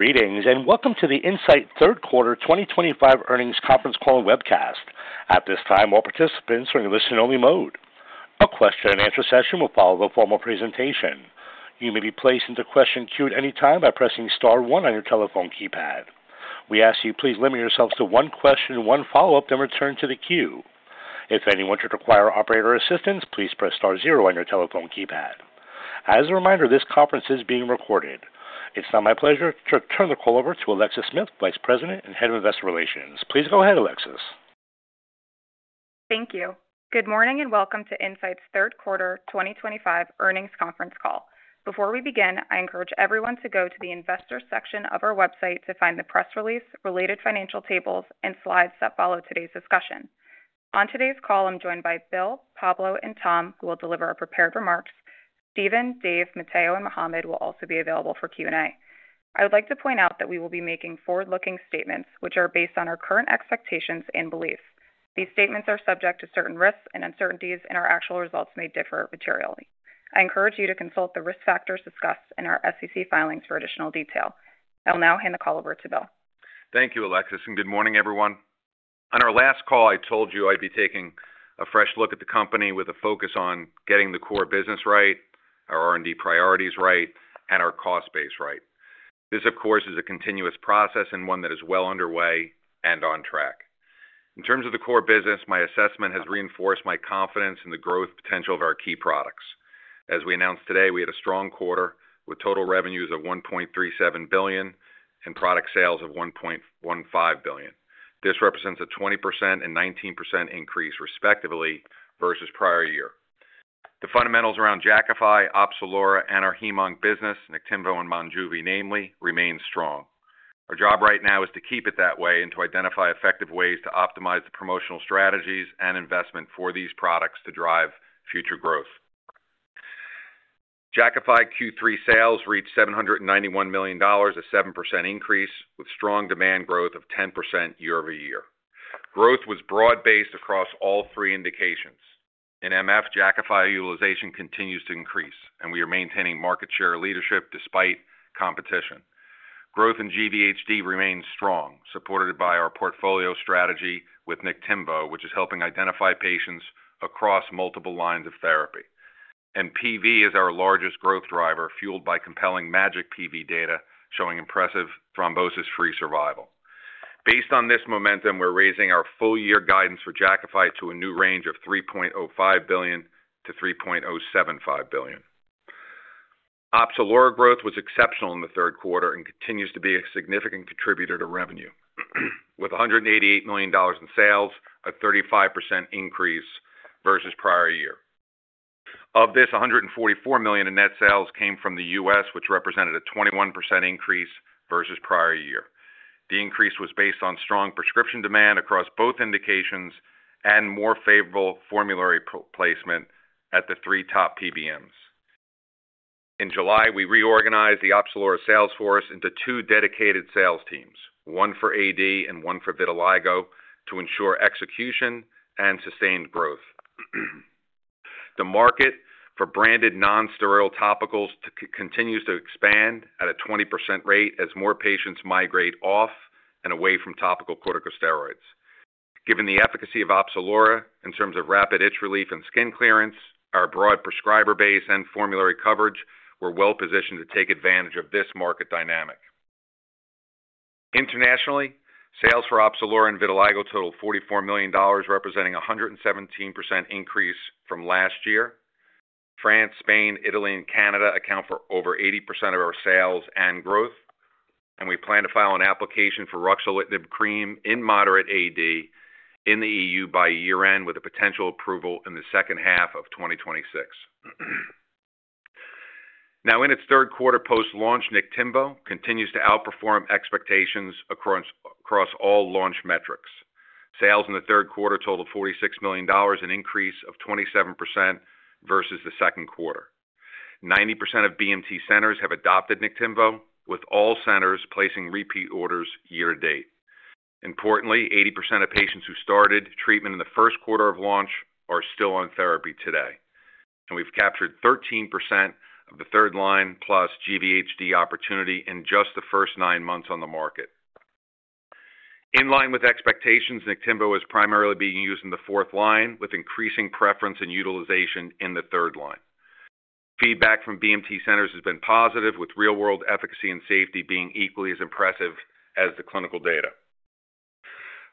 Greetings and welcome to the Incyte Third Quarter 2025 Earnings Conference Call and Webcast. At this time, all participants are in listen-only mode. A question and answer session will follow the formal presentation. You may be placed into the question queue at any time by pressing star one on your telephone keypad. We ask you to please limit yourselves to one question and one follow-up, then return to the queue. If anyone should require operator assistance, please press star zero on your telephone keypad. As a reminder, this conference is being recorded. It's now my pleasure to turn the call over to Alexis Smith, Vice President and Head of Investor Relations. Please go ahead, Alexis. Thank you. Good morning and welcome to Incyte's Third Quarter 2025 Earnings Conference Call. Before we begin, I encourage everyone to go to the Investors section of our website to find the press release, related financial tables, and slides that follow today's discussion. On today's call, I'm joined by Bill, Pablo, and Tom, who will deliver our prepared remarks. Steven, Dave, Matteo, and Mohamed will also be available for Q&A. I would like to point out that we will be making forward-looking statements, which are based on our current expectations and beliefs. These statements are subject to certain risks and uncertainties, and our actual results may differ materially. I encourage you to consult the risk factors discussed in our SEC filings for additional detail. I will now hand the call over to Bill. Thank you, Alexis, and good morning, everyone. On our last call, I told you I'd be taking a fresh look at the company with a focus on getting the core business right, our R&D priorities right, and our cost base right. This, of course, is a continuous process and one that is well underway and on track. In terms of the core business, my assessment has reinforced my confidence in the growth potential of our key products. As we announced today, we had a strong quarter with total revenues of $1.37 billion and product sales of $1.15 billion. This represents a 20% and 19% increase, respectively, versus prior year. The fundamentals around Jakafi, Opzelura, and our hematology business, Naktinvo and Monjuvi, namely, remain strong. Our job right now is to keep it that way and to identify effective ways to optimize the promotional strategies and investment for these products to drive future growth. Jakafi Q3 sales reached $791 million, a 7% increase, with strong demand growth of 10% year over year. Growth was broad-based across all three indications. In MF, Jakafi utilization continues to increase, and we are maintaining market share leadership despite competition. Growth in GVHD remains strong, supported by our portfolio strategy with Naktinvo, which is helping identify patients across multiple lines of therapy. PV is our largest growth driver, fueled by compelling MAGIC PV data showing impressive thrombosis-free survival. Based on this momentum, we're raising our full-year guidance for Jakafi to a new range of $3.05 billion-$3.075 billion. Opzelura growth was exceptional in the third quarter and continues to be a significant contributor to revenue, with $188 million in sales, a 35% increase versus prior year. Of this, $144 million in net sales came from the U.S., which represented a 21% increase versus prior year. The increase was based on strong prescription demand across both indications and more favorable formulary placement at the three top PBMs. In July, we reorganized the Opzelura sales force into two dedicated sales teams, one for AD and one for vitiligo, to ensure execution and sustained growth. The market for branded non-steroidal topicals continues to expand at a 20% rate as more patients migrate off and away from topical corticosteroids. Given the efficacy of Opzelura in terms of rapid itch relief and skin clearance, our broad prescriber base and formulary coverage, we're well positioned to take advantage of this market dynamic. Internationally, sales for Opzelura and vitiligo total $44 million, representing a 117% increase from last year. France, Spain, Italy, and Canada account for over 80% of our sales and growth, and we plan to file an application for Ruxolitinib cream in moderate AD in the EU by year-end, with a potential approval in the second half of 2026. Now, in its third quarter post-launch, Niktimvo continues to outperform expectations across all launch metrics. Sales in the third quarter totaled $46 million, an increase of 27% versus the second quarter. 90% of US bone marrow transplant centers have adopted Niktimvo, with all centers placing repeat orders year to date. Importantly, 80% of patients who started treatment in the first quarter of launch are still on therapy today. We have captured 13% of the 1/3 line plus GVHD opportunity in just the first nine months on the market. In line with expectations, Niktimvo is primarily being used in the fourth line, with increasing preference and utilization in the third line. Feedback from US bone marrow transplant centers has been positive, with real-world efficacy and safety being equally as impressive as the clinical data.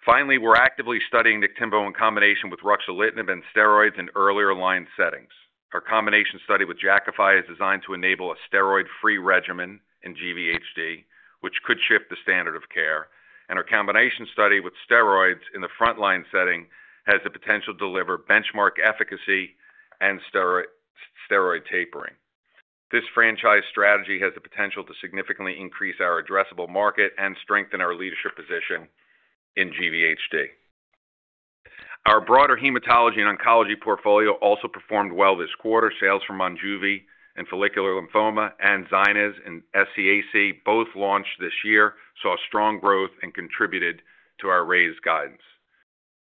Finally, we're actively studying Niktimvo in combination with Ruxolitinib and steroids in earlier line settings. Our combination study with Jakafi is designed to enable a steroid-free regimen in GVHD, which could shift the standard of care. Our combination study with steroids in the front-line setting has the potential to deliver benchmark efficacy and steroid tapering. This franchise strategy has the potential to significantly increase our addressable market and strengthen our leadership position in GVHD. Our broader hematology and oncology portfolio also performed well this quarter. Sales for Monjuvi in follicular lymphoma, and ZYNYZ in SCAC, both launched this year, saw strong growth and contributed to our raised guidance.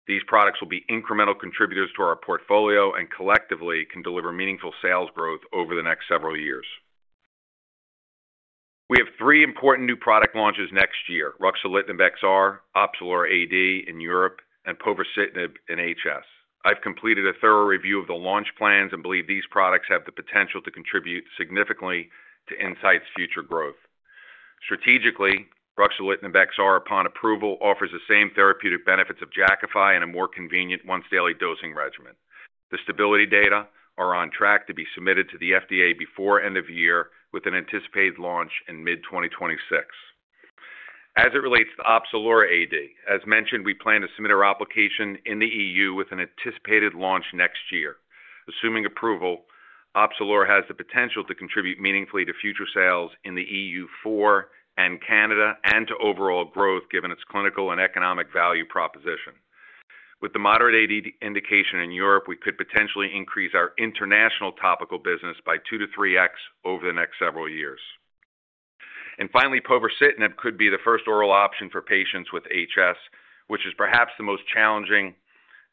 These products will be incremental contributors to our portfolio and collectively can deliver meaningful sales growth over the next several years. We have three important new product launches next year: Ruxolitinib XR, Opzelura AD in Europe, and Povorcitinib in HS. I've completed a thorough review of the launch plans and believe these products have the potential to contribute significantly to Incyte's future growth. Strategically, Ruxolitinib XR, upon approval, offers the same therapeutic benefits of Jakafi and a more convenient once-daily dosing regimen. The stability data are on track to be submitted to the FDA before end of year, with an anticipated launch in mid-2026. As it relates to Opzelura AD, as mentioned, we plan to submit our application in the EU with an anticipated launch next year. Assuming approval, Opzelura has the potential to contribute meaningfully to future sales in the EU and Canada and to overall growth, given its clinical and economic value proposition. With the moderate AD indication in Europe, we could potentially increase our international topical business by 2 to 3x over the next several years. Finally, povorcitinib could be the first oral option for patients with HS, which is perhaps the most challenging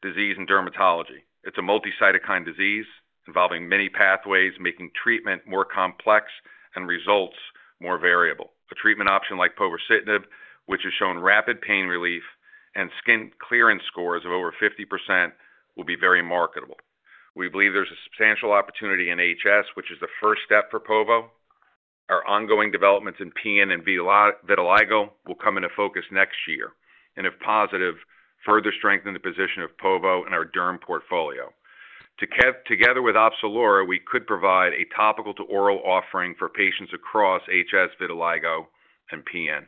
disease in dermatology. It's a multicytokine disease involving many pathways, making treatment more complex and results more variable. A treatment option like povorcitinib, which has shown rapid pain relief and skin clearance scores of over 50%, will be very marketable. We believe there's a substantial opportunity in HS, which is the first step for POVO. Our ongoing developments in PN and vitiligo will come into focus next year, and if positive, further strengthen the position of POVO in our derm portfolio. Together with Opzelura, we could provide a topical-to-oral offering for patients across HS, vitiligo, and PN.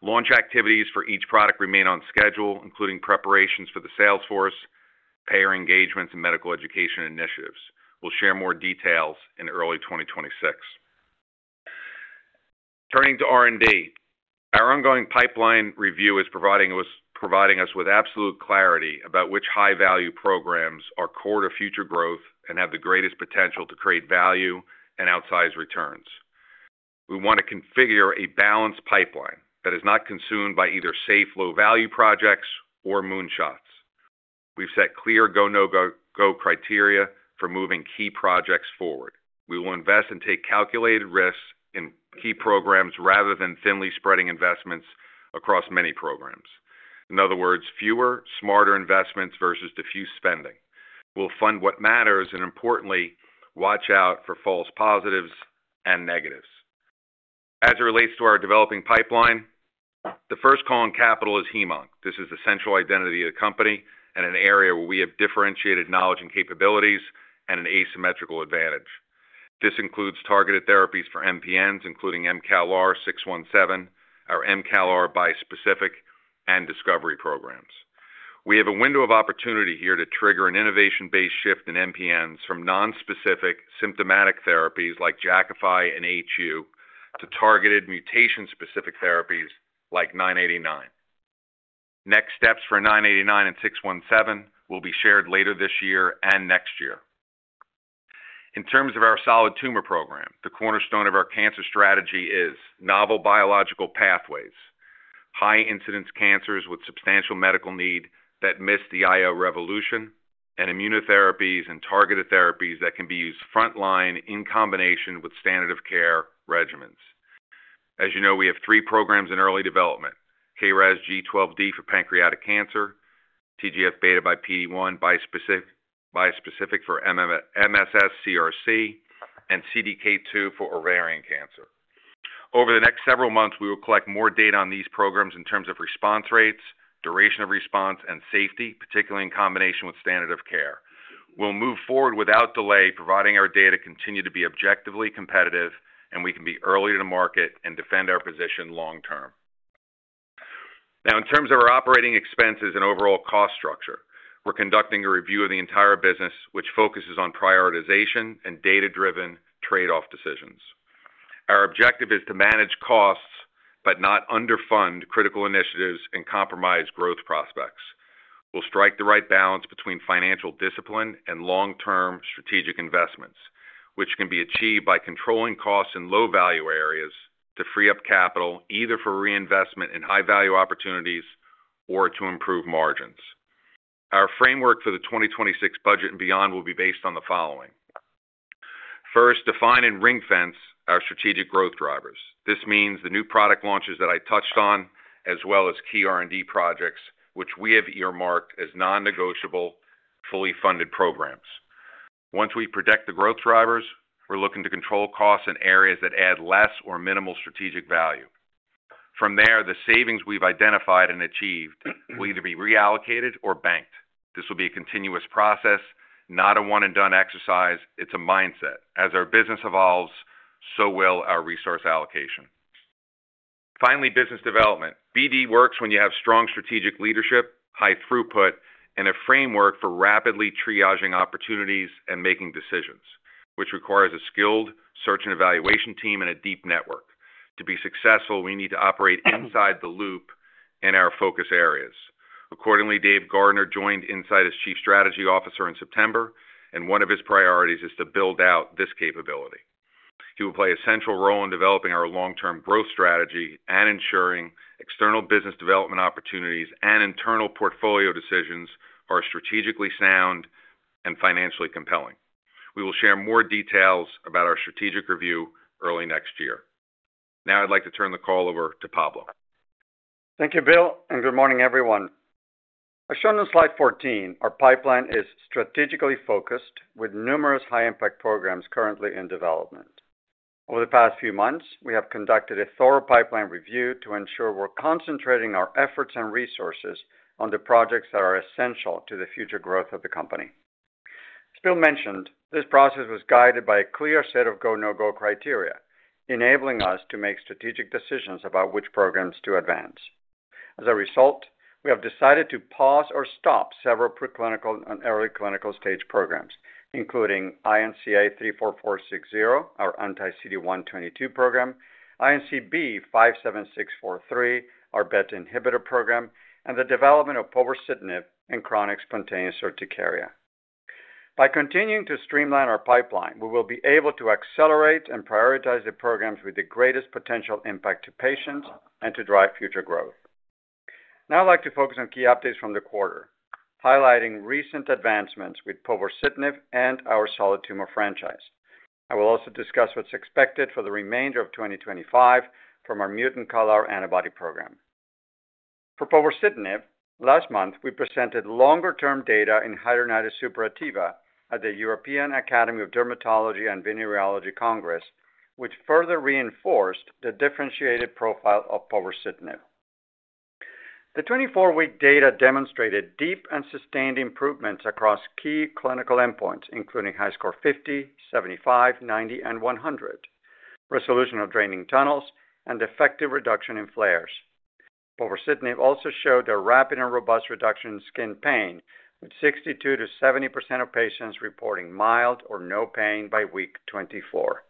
Launch activities for each product remain on schedule, including preparations for the sales force, payer engagements, and medical education initiatives. We'll share more details in early 2026. Turning to R&D, our ongoing pipeline review is providing us with absolute clarity about which high-value programs are core to future growth and have the greatest potential to create value and outsize returns. We want to configure a balanced pipeline that is not consumed by either safe, low-value projects or moonshots. We've set clear go/no-go criteria for moving key projects forward. We will invest and take calculated risks in key programs rather than thinly spreading investments across many programs. In other words, fewer, smarter investments versus diffuse spending. We'll fund what matters and, importantly, watch out for false positives and negatives. As it relates to our developing pipeline, the first calling capital is hematology. This is the central identity of the company and an area where we have differentiated knowledge and capabilities and an asymmetrical advantage. This includes targeted therapies for MPNs, including mCALR-617, our mCALR bispecific, and discovery programs. We have a window of opportunity here to trigger an innovation-based shift in MPNs from non-specific symptomatic therapies like Jakafi and HU to targeted mutation-specific therapies like 989. Next steps for 989 and 617 will be shared later this year and next year. In terms of our solid tumor program, the cornerstone of our cancer strategy is novel biological pathways, high-incidence cancers with substantial medical need that missed the IO revolution, and immunotherapies and targeted therapies that can be used frontline in combination with standard-of-care regimens. As you know, we have three programs in early development: KRAS G12D for pancreatic cancer, TGF-beta by PD-1 bispecific for MSS colorectal cancer, and CDK2 for ovarian cancer. Over the next several months, we will collect more data on these programs in terms of response rates, duration of response, and safety, particularly in combination with standard of care. We'll move forward without delay, provided our data continue to be objectively competitive, and we can be early to market and defend our position long term. Now, in terms of our operating expenses and overall cost structure, we're conducting a review of the entire business, which focuses on prioritization and data-driven trade-off decisions. Our objective is to manage costs but not underfund critical initiatives and compromise growth prospects. We'll strike the right balance between financial discipline and long-term strategic investments, which can be achieved by controlling costs in low-value areas to free up capital either for reinvestment in high-value opportunities or to improve margins. Our framework for the 2026 budget and beyond will be based on the following. First, define and ring-fence our strategic growth drivers. This means the new product launches that I touched on, as well as key R&D projects, which we have earmarked as non-negotiable, fully funded programs. Once we protect the growth drivers, we're looking to control costs in areas that add less or minimal strategic value. From there, the savings we've identified and achieved will either be reallocated or banked. This will be a continuous process, not a one-and-done exercise. It's a mindset. As our business evolves, so will our resource allocation. Finally, business development. BD works when you have strong strategic leadership, high throughput, and a framework for rapidly triaging opportunities and making decisions, which requires a skilled search and evaluation team and a deep network. To be successful, we need to operate inside the loop in our focus areas. Accordingly, Dave Gardner joined Incyte as Chief Strategy Officer in September, and one of his priorities is to build out this capability. He will play a central role in developing our long-term growth strategy and ensuring external business development opportunities and internal portfolio decisions are strategically sound and financially compelling. We will share more details about our strategic review early next year. Now, I'd like to turn the call over to Pablo. Thank you, Bill, and good morning, everyone. As shown in slide 14, our pipeline is strategically focused, with numerous high-impact programs currently in development. Over the past few months, we have conducted a thorough pipeline review to ensure we're concentrating our efforts and resources on the projects that are essential to the future growth of the company. As Bill mentioned, this process was guided by a clear set of go/no-go criteria, enabling us to make strategic decisions about which programs to advance. As a result, we have decided to pause or stop several preclinical and early clinical stage programs, including INCA 34460, our anti-CD122 program, INCB 57643, our BET inhibitor program, and the development of Povorcitinib in chronic spontaneous urticaria. By continuing to streamline our pipeline, we will be able to accelerate and prioritize the programs with the greatest potential impact to patients and to drive future growth. Now, I'd like to focus on key updates from the quarter, highlighting recent advancements with Povorcitinib and our solid tumor franchise. I will also discuss what's expected for the remainder of 2025 from our mutant CALR antibody program. For Povorcitinib, last month, we presented longer-term data in hidradenitis suppurativa at the European Academy of Dermatology and Venereology Congress, which further reinforced the differentiated profile of Povorcitinib. The 24-week data demonstrated deep and sustained improvements across key clinical endpoints, including HiSCR 50, 75, 90, and 100, resolution of draining tunnels, and effective reduction in flares. Povorcitinib also showed a rapid and robust reduction in skin pain, with 62%-70% of patients reporting mild or no pain by week 24.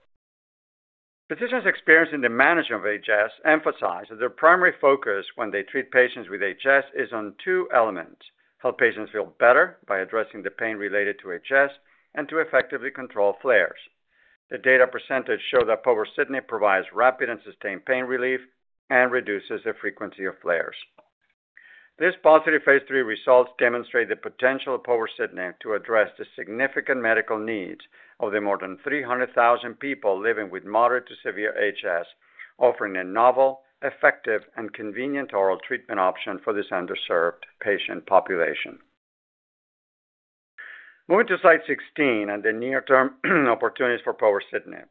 Physicians experienced in the management of HS emphasize that their primary focus when they treat patients with HS is on two elements: help patients feel better by addressing the pain related to HS and to effectively control flares. The data percentage showed that povorcitinib provides rapid and sustained pain relief and reduces the frequency of flares. These positive phase three results demonstrate the potential of Povorcitinib to address the significant medical needs of the more than 300,000 people living with moderate to severe HS, offering a novel, effective, and convenient oral treatment option for this underserved patient population. Moving to slide 16 and the near-term opportunities for Povorcitinib.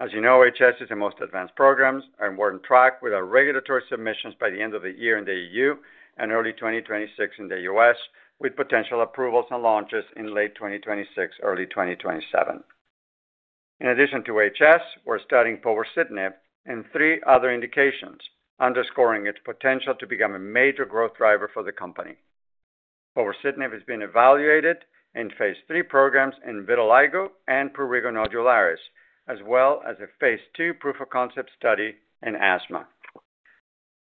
As you know, HS is the most advanced program. We're on track with our regulatory submissions by the end of the year in the EU and early 2026 in the U.S., with potential approvals and launches in late 2026, early 2027. In addition to HS, we're studying Povorcitinib in three other indications, underscoring its potential to become a major growth driver for the company. Povorcitinib has been evaluated in phase 3 programs in vitiligo and prurigo nodularis, as well as a phase 2 proof of concept study in asthma.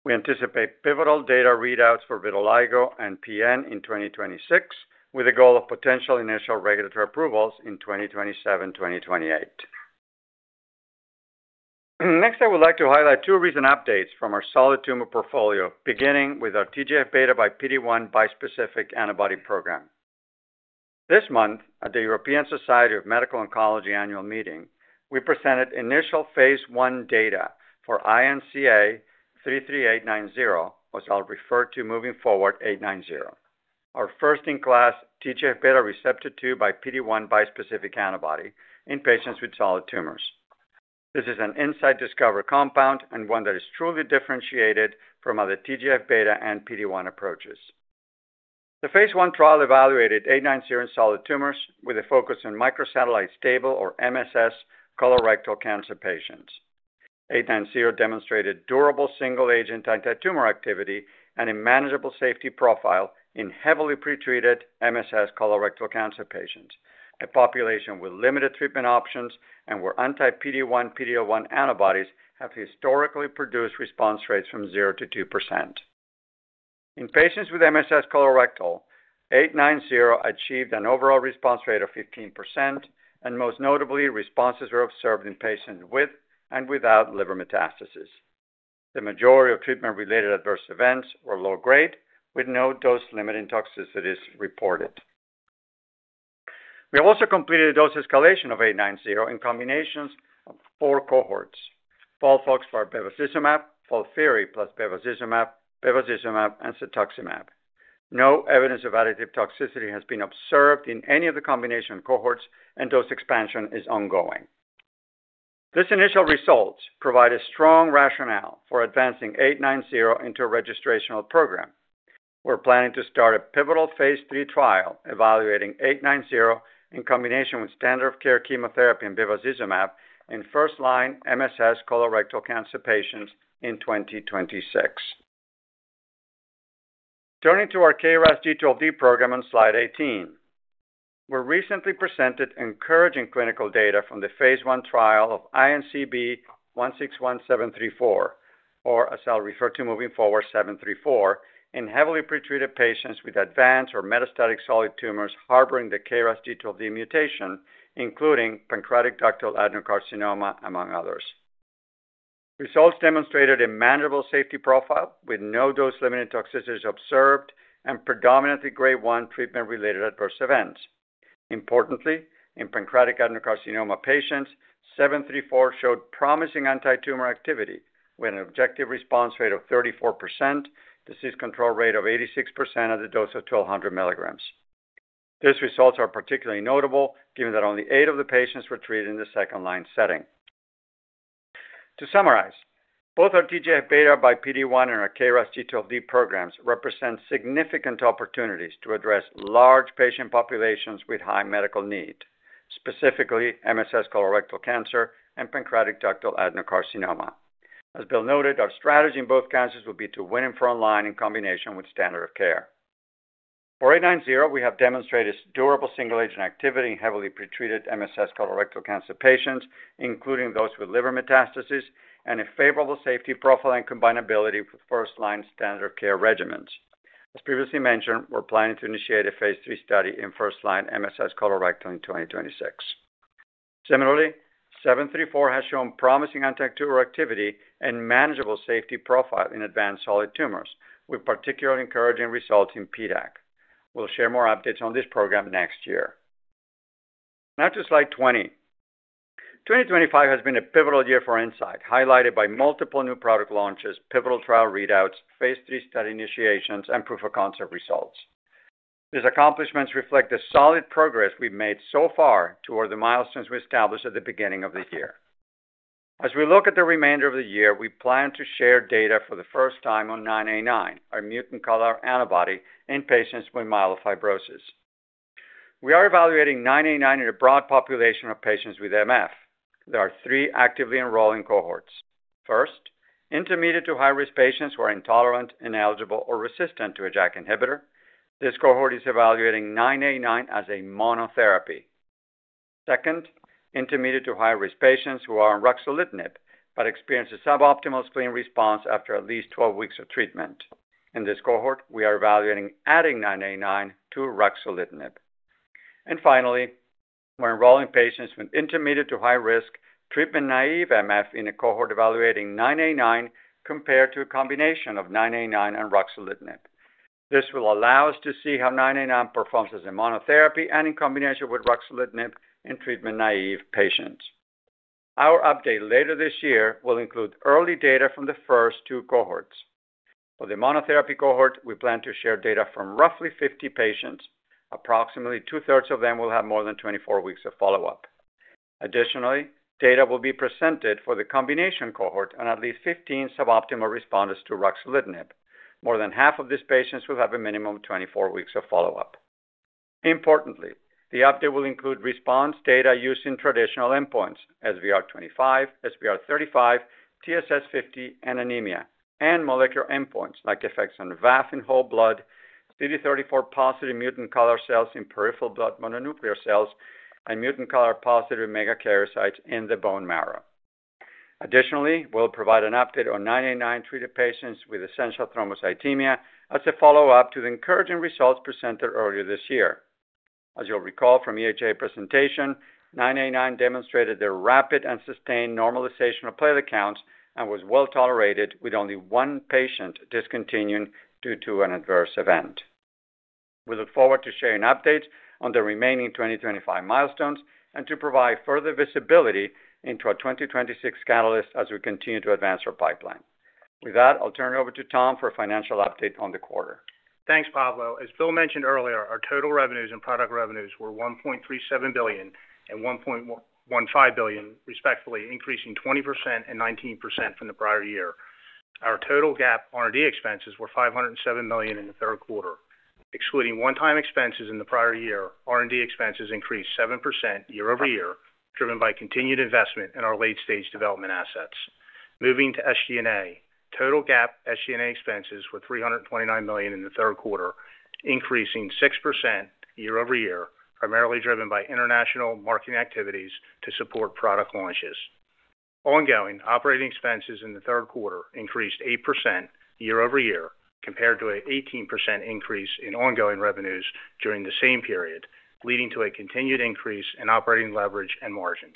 We anticipate pivotal data readouts for vitiligo and PN in 2026, with a goal of potential initial regulatory approvals in 2027-2028. Next, I would like to highlight two recent updates from our solid tumor portfolio, beginning with our TGF-beta by PD-1 bispecific antibody program. This month, at the European Society of Medical Oncology annual meeting, we presented initial phase 1 data for INCA 33890, also referred to moving forward as 890. Our first-in-class TGF-beta receptor 2 by PD-1 bispecific antibody in patients with solid tumors. This is an Incyte discovery compound and one that is truly differentiated from other TGF-beta and PD-1 approaches. The phase one trial evaluated 890 in solid tumors with a focus on microsatellite stable or MSS colorectal cancer patients. 890 demonstrated durable single-agent anti-tumor activity and a manageable safety profile in heavily pretreated MSS colorectal cancer patients, a population with limited treatment options and where anti-PD-1, PD-L1 antibodies have historically produced response rates from 0 to 2%. In patients with MSS colorectal, 890 achieved an overall response rate of 15%, and most notably, responses were observed in patients with and without liver metastases. The majority of treatment-related adverse events were low-grade, with no dose-limiting toxicities reported. We have also completed a dose escalation of 890 in combinations of four cohorts: FOLFOX plus bevacizumab, FOLFIRI plus bevacizumab, Bevacizumab, and Cetuximab. No evidence of additive toxicity has been observed in any of the combination cohorts, and dose expansion is ongoing. This initial result provides a strong rationale for advancing 890 into a registrational program. We're planning to start a pivotal phase three trial evaluating 890 in combination with standard-of-care chemotherapy and bevacizumab in first-line MSS colorectal cancer patients in 2026. Turning to our KRAS G12D program on slide 18, we recently presented encouraging clinical data from the phase one trial of INCB 161734, or as I'll refer to moving forward, 734, in heavily pretreated patients with advanced or metastatic solid tumors harboring the KRAS G12D mutation, including pancreatic ductal adenocarcinoma, among others. Results demonstrated a manageable safety profile with no dose-limiting toxicities observed and predominantly grade 1 treatment-related adverse events. Importantly, in pancreatic adenocarcinoma patients, 734 showed promising anti-tumor activity with an objective response rate of 34%, disease control rate of 86% at the dose of 1200 mg. These results are particularly notable given that only eight of the patients were treated in the second-line setting. To summarize, both our TGF-beta by PD-1 and our KRAS G12D programs represent significant opportunities to address large patient populations with high medical need, specifically MSS colorectal cancer and pancreatic ductal adenocarcinoma. As Bill noted, our strategy in both cancers will be to win in front line in combination with standard of care. For 890, we have demonstrated durable single-agent activity in heavily pretreated MSS colorectal cancer patients, including those with liver metastases, and a favorable safety profile and combinability with first-line standard of care regimens. As previously mentioned, we're planning to initiate a phase three study in first-line MSS colorectal in 2026. Similarly, 734 has shown promising anti-tumor activity and manageable safety profile in advanced solid tumors, with particularly encouraging results in PDACC. We'll share more updates on this program next year. Now to slide 20. 2025 has been a pivotal year for Incyte, highlighted by multiple new product launches, pivotal trial readouts, phase three study initiations, and proof of concept results. These accomplishments reflect the solid progress we've made so far toward the milestones we established at the beginning of the year. As we look at the remainder of the year, we plan to share data for the first time on 989, our mutant CALR antibody in patients with myelofibrosis. We are evaluating 989 in a broad population of patients with MF. There are three actively enrolling cohorts. First, intermediate to high-risk patients who are intolerant, ineligible, or resistant to a JAK inhibitor. This cohort is evaluating 989 as a monotherapy. Second, intermediate to high-risk patients who are on Ruxolitinib but experience a suboptimal screen response after at least 12 weeks of treatment. In this cohort, we are evaluating adding 989 to Ruxolitinib. Finally, we're enrolling patients with intermediate to high-risk treatment-naive MF in a cohort evaluating 989 compared to a combination of 989 and Ruxolitinib. This will allow us to see how 989 performs as a monotherapy and in combination with Ruxolitinib in treatment-naive patients. Our update later this year will include early data from the first two cohorts. For the monotherapy cohort, we plan to share data from roughly 50 patients. Approximately two-thirds of them will have more than 24 weeks of follow-up. Additionally, data will be presented for the combination cohort and at least 15 suboptimal responders to Ruxolitinib. More than half of these patients will have a minimum of 24 weeks of follow-up. Importantly, the update will include response data using traditional endpoints: SVR25, SVR35, TSS50, and anemia, and molecular endpoints like effects on VAF in whole blood, CD34-positive mutant CALR cells in peripheral blood mononuclear cells, and mutant CALR-positive omega-kerasites in the bone marrow. Additionally, we'll provide an update on 989 treated patients with essential thrombocythemia as a follow-up to the encouraging results presented earlier this year. As you'll recall from EHA presentation, 989 demonstrated the rapid and sustained normalization of platelet counts and was well tolerated, with only one patient discontinuing due to an adverse event. We look forward to sharing updates on the remaining 2025 milestones and to provide further visibility into our 2026 catalyst as we continue to advance our pipeline. With that, I'll turn it over to Tom for a financial update on the quarter. Thanks, Pablo. As Bill mentioned earlier, our total revenues and product revenues were $1.37 billion and $1.15 billion, respectively, increasing 20% and 19% from the prior year. Our total GAAP R&D expenses were $507 million in the 1/3 quarter. Excluding one-time expenses in the prior year, R&D expenses increased 7% year-over-year, driven by continued investment in our late-stage development assets. Moving to SG&A, total GAAP SG&A expenses were $329 million in the third quarter, increasing 6% year-over-year, primarily driven by international marketing activities to support product launches. Ongoing operating expenses in the 1/3 quarter increased 8% year-over-year, compared to an 18% increase in ongoing revenues during the same period, leading to a continued increase in operating leverage and margins.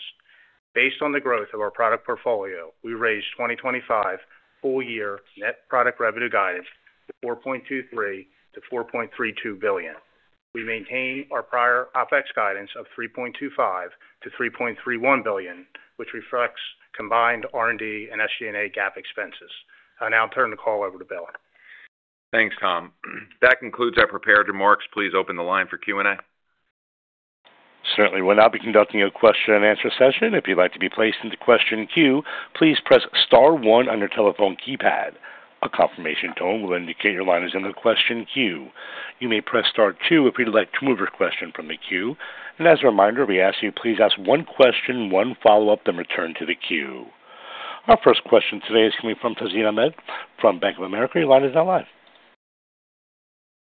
Based on the growth of our product portfolio, we raised 2025 full-year net product revenue guidance to $4.23-$4.32 billion. We maintain our prior OpEx guidance of $3.25 to $3.31 billion, which reflects combined R&D and SG&A GAAP expenses. I'll now turn the call over to Bill. Thanks, Tom. That concludes our prepared remarks. Please open the line for Q&A. Certainly. We'll now be conducting a question and answer session. If you'd like to be placed into the question queue, please press star one on your telephone keypad. A confirmation tone will indicate your line is in the question queue. You may press star two if you'd like to remove your question from the queue. As a reminder, we ask you to please ask one question, one follow-up, then return to the queue. Our first question today is coming from Tazim Ahmed from Bank of America. Your line is now live.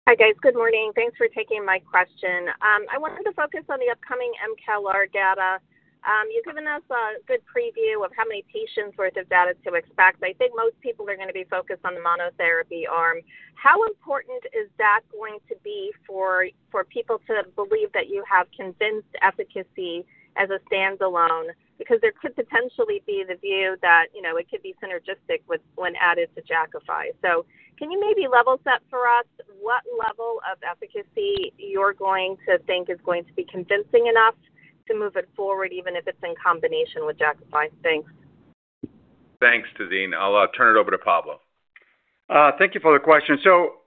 Hi guys, good morning. Thanks for taking my question. I wanted to focus on the upcoming mCALR data. You've given us a good preview of how many patients' worth of data to expect. I think most people are going to be focused on the monotherapy arm. How important is that going to be for people to believe that you have convinced efficacy as a standalone? There could potentially be the view that, you know, it could be synergistic when added to Jakafi. Can you maybe level set for us what level of efficacy you're going to think is going to be convincing enough to move it forward, even if it's in combination with Jakafi? Thanks. Thanks, Tazim. I'll turn it over to Pablo. Thank you for the question. So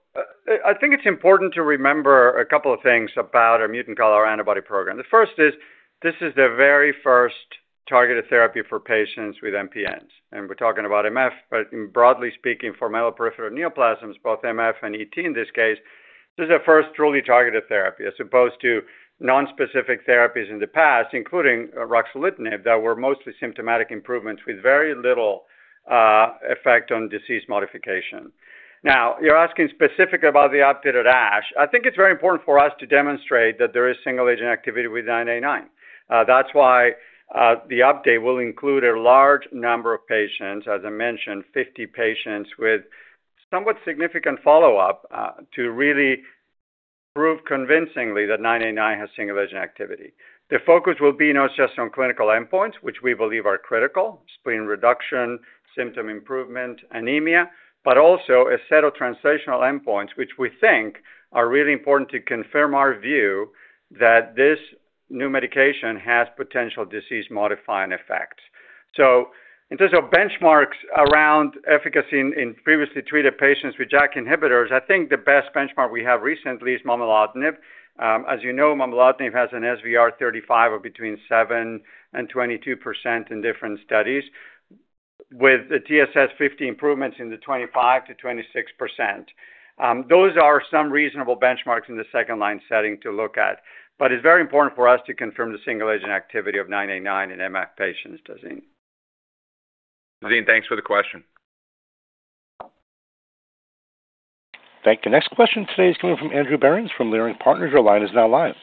I think it's important to remember a couple of things about our mutant CALR antibody program. The first is this is the very first targeted therapy for patients with MPNs. We're talking about MF, but broadly speaking, for myeloproliferative neoplasms, both MF and ET in this case, this is the first truly targeted therapy, as opposed to non-specific therapies in the past, including Ruxolitinib, that were mostly symptomatic improvements with very little effect on disease modification. You're asking specifically about the update at ASH. I think it's very important for us to demonstrate that there is single-agent activity with 989. That's why the update will include a large number of patients, as I mentioned, 50 patients with somewhat significant follow-up to really prove convincingly that 989 has single-agent activity. The focus will be not just on clinical endpoints, which we believe are critical: spleen reduction, symptom improvement, anemia, but also a set of translational endpoints, which we think are really important to confirm our view that this new medication has potential disease-modifying effects. In terms of benchmarks around efficacy in previously treated patients with JAK inhibitors, I think the best benchmark we have recently is momelotinib. As you know, momelotinib has an SVR35 of between 7% and 22% in different studies, with the TSS50 improvements in the 25%-26%. Those are some reasonable benchmarks in the second-line setting to look at. It's very important for us to confirm the single-agent activity of 989 in MF patients, Tazim. Tazim, thanks for the question. Thank you. Next question today is coming from Andrew Behrens from Lyrinx Partners. Your line is now live.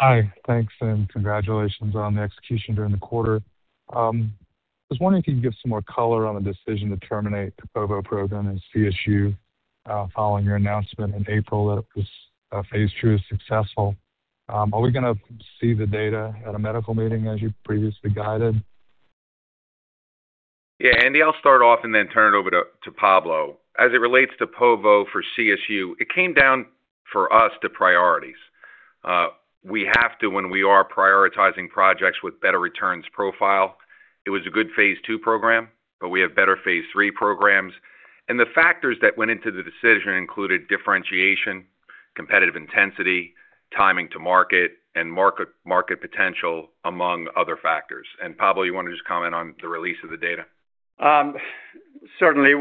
Hi, thanks, and congratulations on the execution during the quarter. I was wondering if you could give some more color on the decision to terminate the Povorcitinib program at CSU following your announcement in April that this phase two is successful. Are we going to see the data at a medical meeting as you previously guided? Yeah, Andy, I'll start off and then turn it over to Pablo. As it relates to Povorcitinib for CSU, it came down for us to priorities. We have to, when we are prioritizing projects with better returns profile, it was a good phase two program, but we have better phase three programs. The factors that went into the decision included differentiation, competitive intensity, timing to market, and market potential, among other factors. Pablo, you want to just comment on the release of the data? Certainly.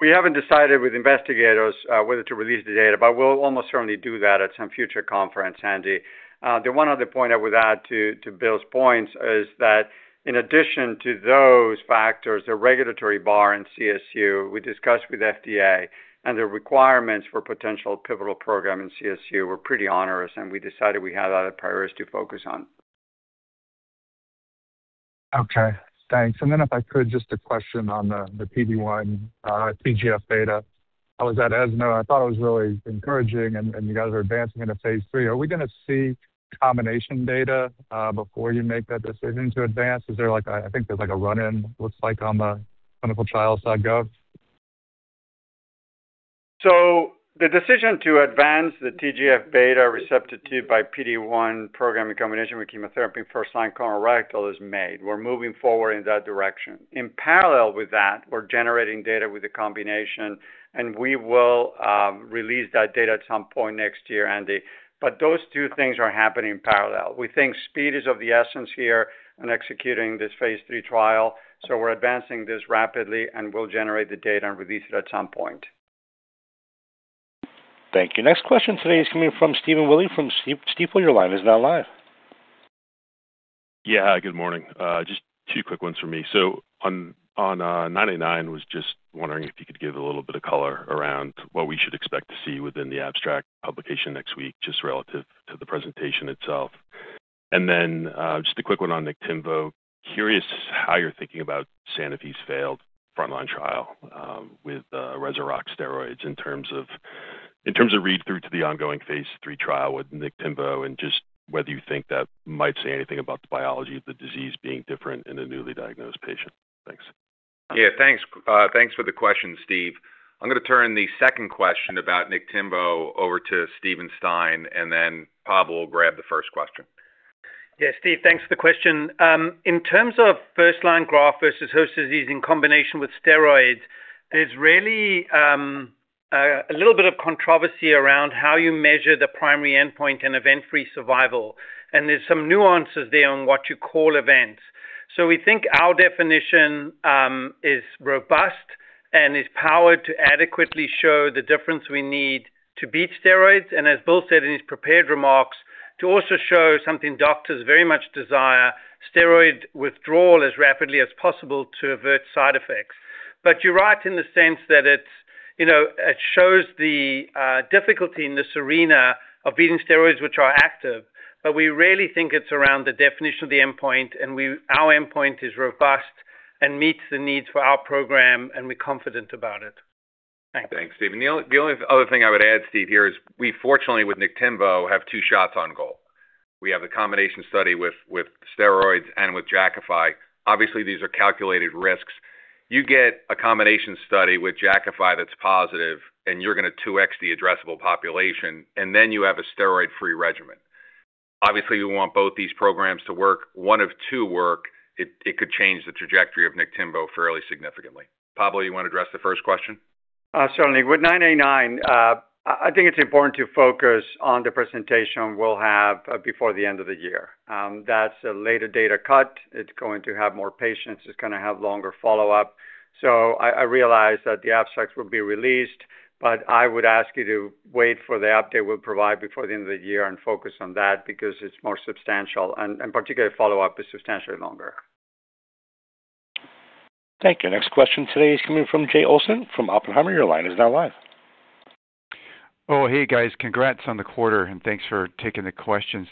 We haven't decided with investigators whether to release the data, but we'll almost certainly do that at some future conference, Andy. The one other point I would add to Bill's points is that in addition to those factors, the regulatory bar in CSU, we discussed with FDA, and the requirements for potential pivotal program in CSU were pretty onerous, and we decided we had other priorities to focus on. Okay, thanks. If I could, just a question on the PD-1, TGF-beta. I was at ESMO. I thought it was really encouraging, and you guys are advancing into phase three. Are we going to see combination data before you make that decision to advance? Is there, like, I think there's a run-in, it looks like, on the clinical trial side? So the decision to advance the TGF-beta by PD-1 program in combination with chemotherapy first-line colorectal is made. We're moving forward in that direction. In parallel with that, we're generating data with a combination, and we will release that data at some point next year, Andy. Those two things are happening in parallel. We think speed is of the essence here in executing this phase 3 trial. We're advancing this rapidly, and we'll generate the data and release it at some point. Thank you. Next question today is coming from Stephen Willey from Stifel. Your line is now live. Yeah, hi, good morning. Just two quick ones from me. On 989, I was just wondering if you could give a little bit of color around what we should expect to see within the abstract publication next week, just relative to the presentation itself. A quick one on Naktinvo. Curious how you're thinking about Sanofi's failed frontline trial with Resurrect steroids in terms of read-through to the ongoing phase three trial with Naktinvo and just whether you think that might say anything about the biology of the disease being different in a newly diagnosed patient. Thanks. Yeah, thanks. Thanks for the question, Steve. I'm going to turn the second question about Naktinvo over to Steven Stein, and then Pablo will grab the first question. Yeah, Steve, thanks for the question. In terms of first-line graft-versus-host disease in combination with steroids, there's really a little bit of controversy around how you measure the primary endpoint and event-free survival. There's some nuances there on what you call events. We think our definition is robust and is powered to adequately show the difference we need to beat steroids. As Bill said in his prepared remarks, to also show something doctors very much desire: steroid withdrawal as rapidly as possible to avert side effects. You're right in the sense that it shows the difficulty in this arena of beating steroids, which are active. We really think it's around the definition of the endpoint, and our endpoint is robust and meets the needs for our program, and we're confident about it. Thanks. Thanks, Steven. The only other thing I would add, Steve, here is we fortunately with Naktinvo have two shots on goal. We have the combination study with steroids and with Jakafi. Obviously, these are calculated risks. You get a combination study with Jakafi that's positive, and you're going to 2X the addressable population, and then you have a steroid-free regimen. Obviously, we want both these programs to work. If one of two work, it could change the trajectory of Naktinvo fairly significantly. Pablo, you want to address the first question? Certainly. With 989, I think it's important to focus on the presentation we'll have before the end of the year. That's a later data cut. It's going to have more patients, and it's going to have longer follow-up. I realize that the abstracts will be released, but I would ask you to wait for the update we'll provide before the end of the year and focus on that because it's more substantial, and particularly follow-up is substantially longer. Thank you. Next question today is coming from Jay Olson from Oppenheimer. Your line is now live. Oh, hey guys, congrats on the quarter, and thanks for taking the questions.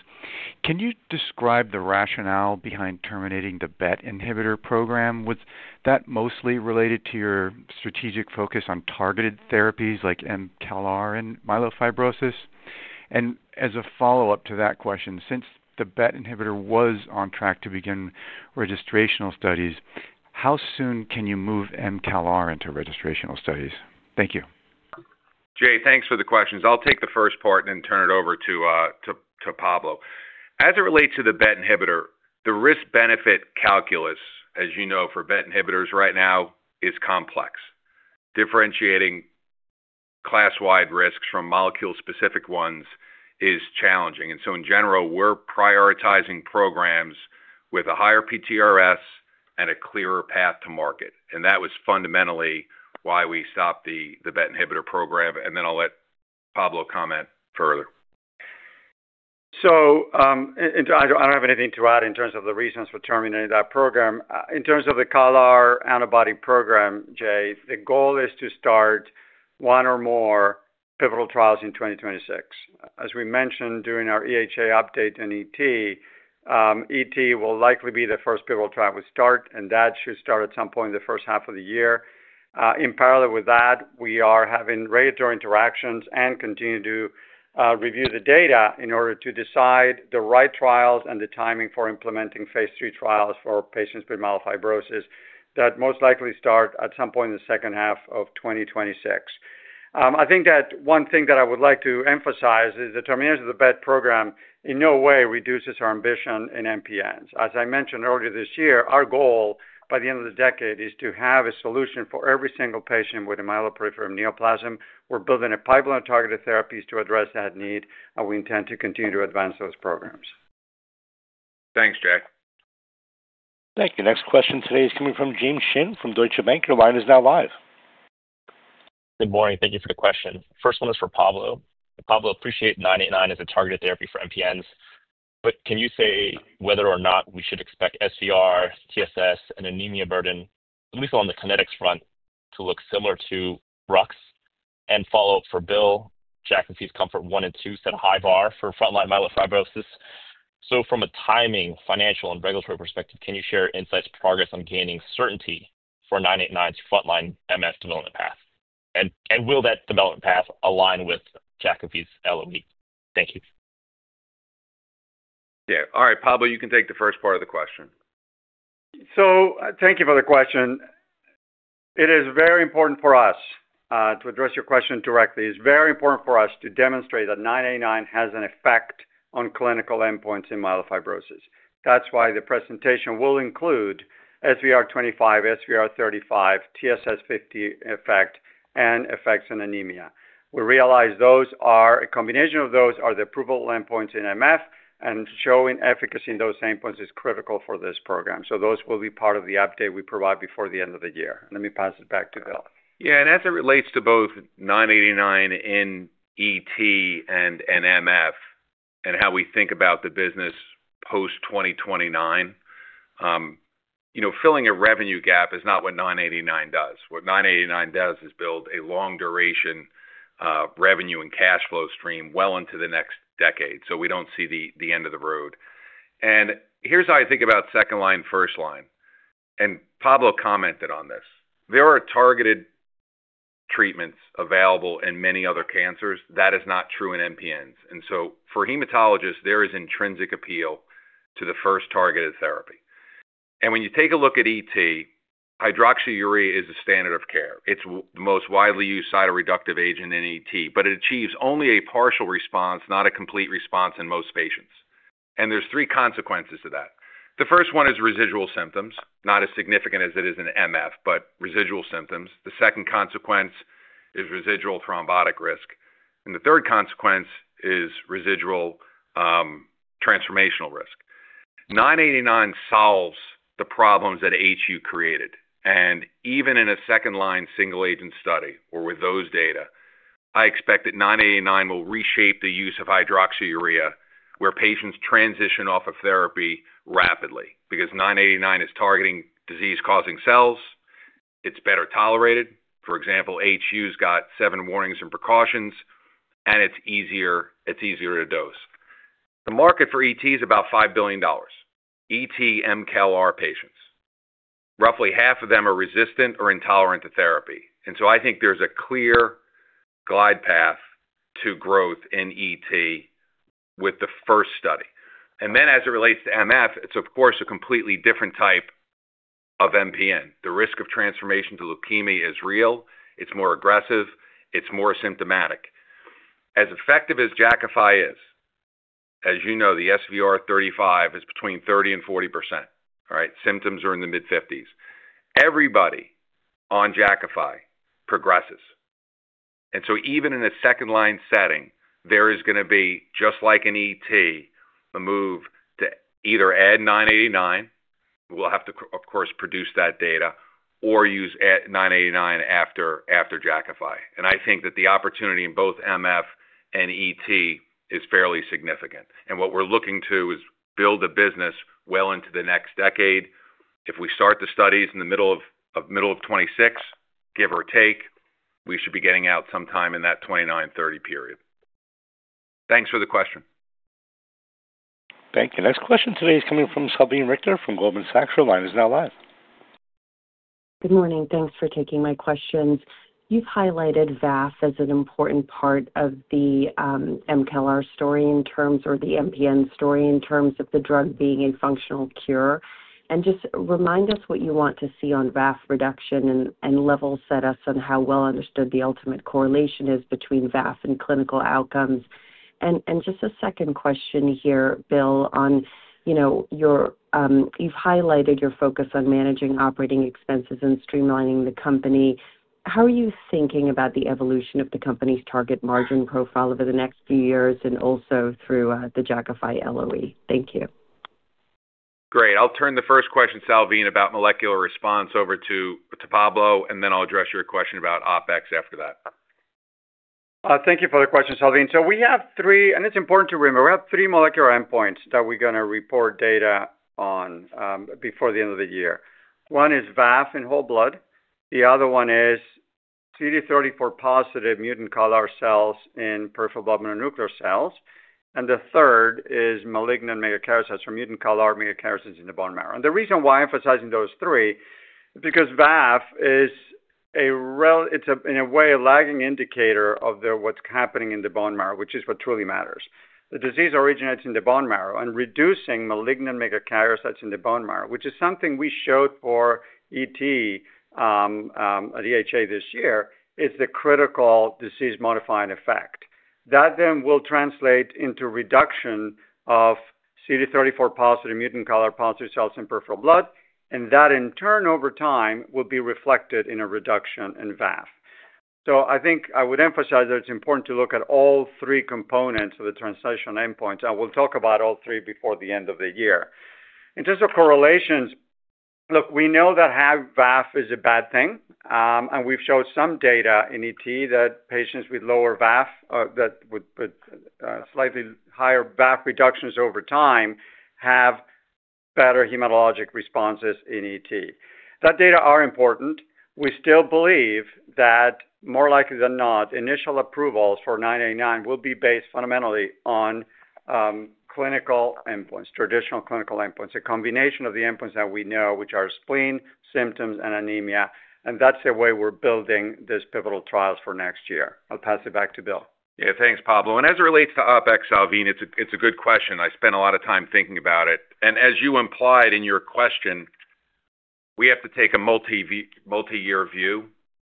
Can you describe the rationale behind terminating the BET inhibitor program? Was that mostly related to your strategic focus on targeted therapies like mCALR and myelofibrosis? As a follow-up to that question, since the BET inhibitor was on track to begin registrational studies, how soon can you move mCALR into registrational studies? Thank you. Jay, thanks for the questions. I'll take the first part and then turn it over to Pablo. As it relates to the BET inhibitor, the risk-benefit calculus, as you know, for BET inhibitors right now is complex. Differentiating class-wide risks from molecule-specific ones is challenging. In general, we're prioritizing programs with a higher PTRS and a clearer path to market. That was fundamentally why we stopped the BET inhibitor program. I'll let Pablo comment further. I don't have anything to add in terms of the reasons for terminating that program. In terms of the CALR antibody program, Jay, the goal is to start one or more pivotal trials in 2026. As we mentioned during our EHA update in ET, ET will likely be the first pivotal trial we start, and that should start at some point in the first half of the year. In parallel with that, we are having regulatory interactions and continue to review the data in order to decide the right trials and the timing for implementing phase 3 trials for patients with myelofibrosis that most likely start at some point in the second half of 2026. I think that one thing that I would like to emphasize is the termination of the BET program in no way reduces our ambition in MPNs. As I mentioned earlier this year, our goal by the end of the decade is to have a solution for every single patient with a myeloproliferative neoplasm. We're building a pipeline of targeted therapies to address that need, and we intend to continue to advance those programs. Thanks, Jay. Thank you. Next question today is coming from James Shin from Deutsche Bank. Your line is now live. Good morning. Thank you for the question. The first one is for Pablo. Pablo, I appreciate 989 as a targeted therapy for MPNs, but can you say whether or not we should expect SVR, TSS, and anemia burden, at least on the kinetics front, to look similar to RUX? A follow-up for Bill, Jakafi's COMFORT-I and II set a high bar for frontline myelofibrosis. From a timing, financial, and regulatory perspective, can you share insights and progress on gaining certainty for 989's frontline MF development path? Will that development path align with Jakafi's LOE? Thank you. Thank you. All right, Pablo, you can take the first part of the question. Thank you for the question. It is very important for us to address your question directly. It's very important for us to demonstrate that 989 has an effect on clinical endpoints in myelofibrosis. That's why the presentation will include SVR25, SVR35, TSS50 effect, and effects in anemia. We realize those are a combination of those are the approval endpoints in MF, and showing efficacy in those same points is critical for this program. Those will be part of the update we provide before the end of the year. Let me pass it back to Bill. Yeah, and as it relates to both 989 in ET and MF and how we think about the business post-2029, filling a revenue gap is not what 989 does. What 989 does is build a long-duration revenue and cash flow stream well into the next decade. We do not see the end of the road. Here is how I think about second line, first line. Pablo commented on this. There are targeted treatments available in many other cancers. That is not true in MPNs. For hematologists, there is intrinsic appeal to the first targeted therapy. When you take a look at ET, hydroxyurea is a standard of care. It is the most widely used cytoreductive agent in ET, but it achieves only a partial response, not a complete response in most patients. There are three consequences to that. The first one is residual symptoms, not as significant as it is in MF, but residual symptoms. The second consequence is residual thrombotic risk. The 1/3 consequence is residual transformational risk. 989 solves the problems that HU created. Even in a second-line single-agent study or with those data, I expect that 989 will reshape the use of hydroxyurea where patients transition off of therapy rapidly because 989 is targeting disease-causing cells. It is better tolerated. For example, HU has seven warnings and precautions, and it is easier to dose. The market for ET is about $5 billion. ET mCALR patients, roughly half of them are resistant or intolerant to therapy. I think there is a clear glide path to growth in ET with the first study. As it relates to MF, it is, of course, a completely different type of MPN. The risk of transformation to leukemia is real. It is more aggressive. It is more symptomatic. As effective as Jakafi is, as you know, the SVR35 is between 30% and 40%. Symptoms are in the mid-50%. Everybody on Jakafi progresses. Even in a second-line setting, there is going to be, just like in ET, a move to either add 989. We will have to, of course, produce that data or use 989 after Jakafi. I think that the opportunity in both MF and ET is fairly significant. What we are looking to is build a business well into the next decade. If we start the studies in the middle of 2026, give or take, we should be getting out sometime in that 2029-2030 period. Thanks for the question. Thank you. Next question today is coming from Salveen Richter from Goldman Sachs. Your line is now live. Good morning. Thanks for taking my questions. You've highlighted VAF as an important part of the mCALR story in terms of the MPN story in terms of the drug being a functional cure. Just remind us what you want to see on VAF reduction and level set us on how well understood the ultimate correlation is between VAF and clinical outcomes. A second question here, Bill, you've highlighted your focus on managing operating expenses and streamlining the company. How are you thinking about the evolution of the company's target margin profile over the next few years and also through the Jakafi LOE? Thank you. Great. I'll turn the first question, Salveen, about molecular response over to Pablo, and then I'll address your question about OpEx after that. Thank you for the question, Salveen. We have three, and it's important to remember, we have three molecular endpoints that we're going to report data on before the end of the year. One is VAF in whole blood. The other one is CD34-positive mutant CALR cells in peripheral blood mononuclear cells. The third is malignant megakaryocytes or mutant CALR megakaryocytes in the bone marrow. The reason why I'm emphasizing those three is because VAF is, in a way, a lagging indicator of what's happening in the bone marrow, which is what truly matters. The disease originates in the bone marrow, and reducing malignant megakaryocytes in the bone marrow, which is something we showed for ET at EHA this year, is the critical disease-modifying effect. That then will translate into reduction of CD34-positive mutant CALR-positive cells in peripheral blood, and that in turn, over time, will be reflected in a reduction in VAF. I think I would emphasize that it's important to look at all three components of the translational endpoints, and we'll talk about all three before the end of the year. In terms of correlations, we know that VAF is a bad thing, and we've shown some data in ET that patients with lower VAF, with slightly higher VAF reductions over time, have better hematologic responses in ET. That data are important. We still believe that more likely than not, initial approvals for 989 will be based fundamentally on clinical endpoints, traditional clinical endpoints, a combination of the endpoints that we know, which are spleen, symptoms, and anemia. That's the way we're building these pivotal trials for next year. I'll pass it back to Bill. Yeah, thanks, Pablo. As it relates to OpEx, Salvee, it's a good question. I spent a lot of time thinking about it. As you implied in your question, we have to take a multi-year view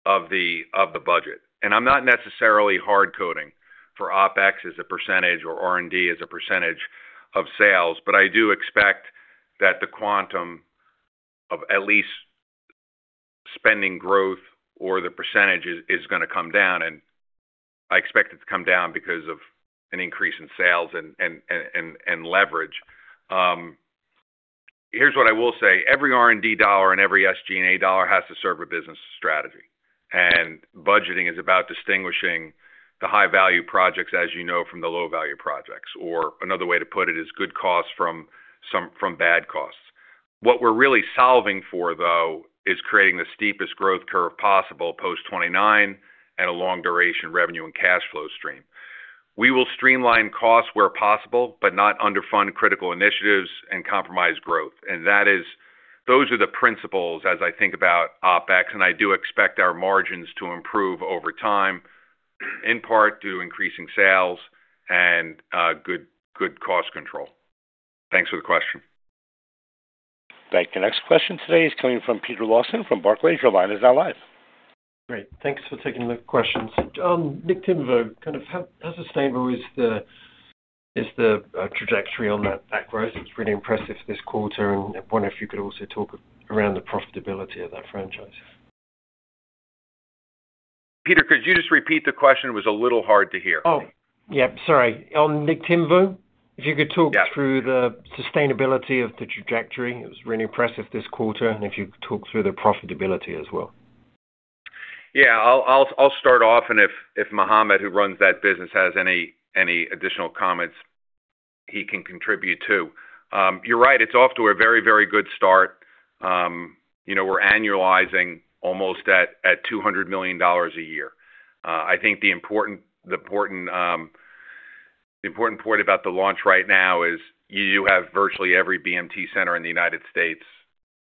of the budget. I'm not necessarily hard coding for OpEx as a percentage or R&D as a percentage of sales, but I do expect that the quantum of at least spending growth or the percentage is going to come down. I expect it to come down because of an increase in sales and leverage. Here's what I will say: every R&D dollar and every SG&A dollar has to serve a business strategy. Budgeting is about distinguishing the high-value projects, as you know, from the low-value projects. Another way to put it is good costs from bad costs. What we're really solving for, though, is creating the steepest growth curve possible post-2029 and a long-duration revenue and cash flow stream. We will streamline costs where possible, but not underfund critical initiatives and compromise growth. Those are the principles as I think about OpEx, and I do expect our margins to improve over time, in part due to increasing sales and good cost control. Thanks for the question. Thank you. Next question today is coming from Peter Lawson from Barclays. Your line is now live. Great. Thanks for taking the questions. Naktinvo, kind of how sustainable is the trajectory on that growth? It's really impressive this quarter, and I wonder if you could also talk around the profitability of that franchise. Peter, could you just repeat the question? It was a little hard to hear. Oh, yeah, sorry. On Naktinvo, if you could talk through the sustainability of the trajectory. It was really impressive this quarter, and if you could talk through the profitability as well. Yeah, I'll start off, and if Mohamed, who runs that business, has any additional comments, he can contribute too. You're right. It's off to a very, very good start. You know, we're annualizing almost at $200 million a year. I think the important point about the launch right now is you do have virtually every BMT center in the United States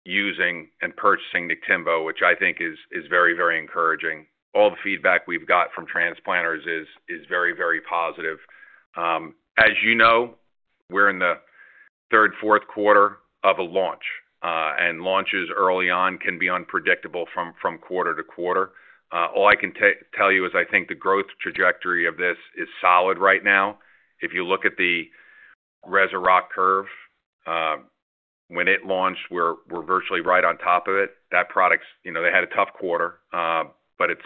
using and purchasing Naktinvo, which I think is very, very encouraging. All the feedback we've got from transplanters is very, very positive. As you know, we're in the third, fourth quarter of a launch, and launches early on can be unpredictable from quarter to quarter. All I can tell you is I think the growth trajectory of this is solid right now. If you look at the Resurrect curve, when it launched, we're virtually right on top of it. That product, you know, they had a tough quarter, but it's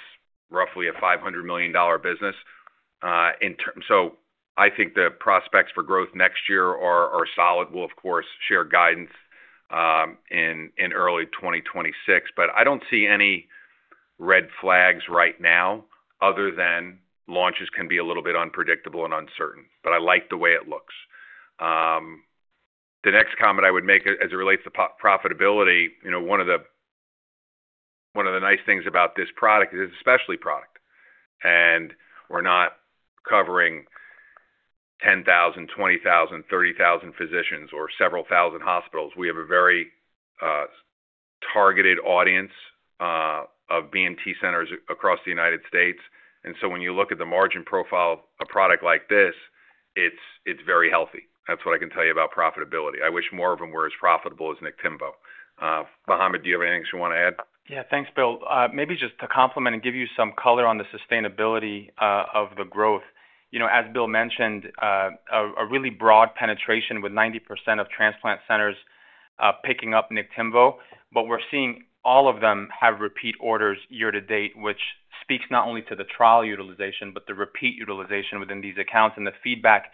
roughly a $500 million business. I think the prospects for growth next year are solid. We'll, of course, share guidance in early 2026, but I don't see any red flags right now other than launches can be a little bit unpredictable and uncertain. I like the way it looks. The next comment I would make as it relates to profitability, you know, one of the nice things about this product is it's a specialty product. We're not covering 10,000, 20,000, 30,000 physicians, or several thousand hospitals. We have a very targeted audience of BMT centers across the United States. When you look at the margin profile of a product like this, it's very healthy. That's what I can tell you about profitability. I wish more of them were as profitable as Naktinvo. Mohamed, do you have anything else you want to add? Yeah, thanks, Bill. Maybe just to complement and give you some color on the sustainability of the growth. You know, as Bill mentioned, a really broad penetration with 90% of transplant centers picking up Naktinvo, but we're seeing all of them have repeat orders year to date, which speaks not only to the trial utilization but the repeat utilization within these accounts, and the feedback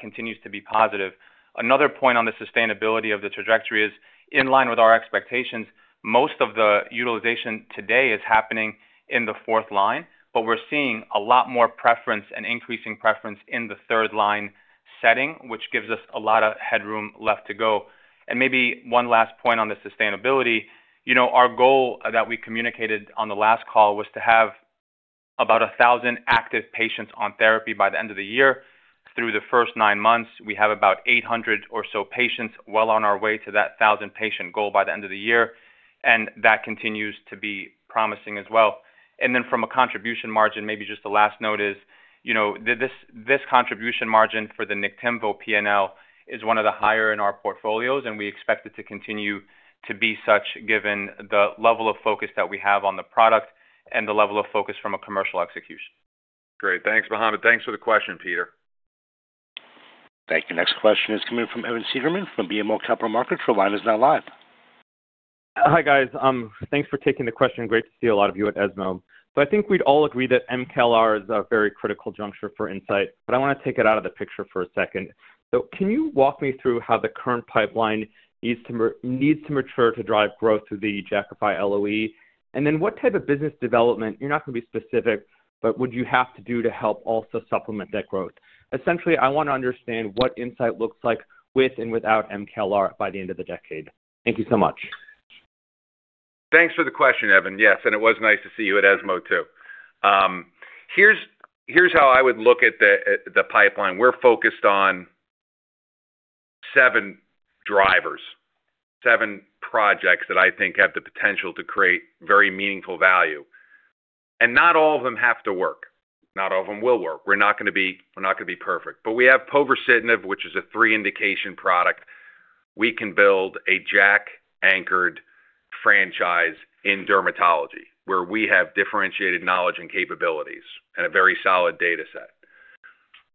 continues to be positive. Another point on the sustainability of the trajectory is, in line with our expectations, most of the utilization today is happening in the fourth line, but we're seeing a lot more preference and increasing preference in the third-line setting, which gives us a lot of headroom left to go. Maybe one last point on the sustainability. You know, our goal that we communicated on the last call was to have about 1,000 active patients on therapy by the end of the year. Through the first nine months, we have about 800 or so patients well on our way to that 1,000-patient goal by the end of the year, and that continues to be promising as well. From a contribution margin, maybe just the last note is, you know, this contribution margin for the Naktinvo P&L is one of the higher in our portfolios, and we expect it to continue to be such given the level of focus that we have on the product and the level of focus from a commercial execution. Great. Thanks, Mohamed. Thanks for the question, Peter. Thank you. Next question is coming from Evan Seiderman from BMO Capital Markets. Your line is now live. Hi guys, thanks for taking the question. Great to see a lot of you at ESMO. I think we'd all agree that mCALR is a very critical juncture for Incyte, but I want to take it out of the picture for a second. Can you walk me through how the current pipeline needs to mature to drive growth through the Jakafi LOE? What type of business development, you're not going to be specific, would you have to do to help also supplement that growth? Essentially, I want to understand what Incyte looks like with and without mCALR by the end of the decade. Thank you so much. Thanks for the question, Evan. Yes, and it was nice to see you at ESMO too. Here's how I would look at the pipeline. We're focused on seven drivers, seven projects that I think have the potential to create very meaningful value. Not all of them have to work. Not all of them will work. We're not going to be perfect. We have povorcitinib, which is a three-indication product. We can build a JAK-anchored franchise in dermatology, where we have differentiated knowledge and capabilities and a very solid data set.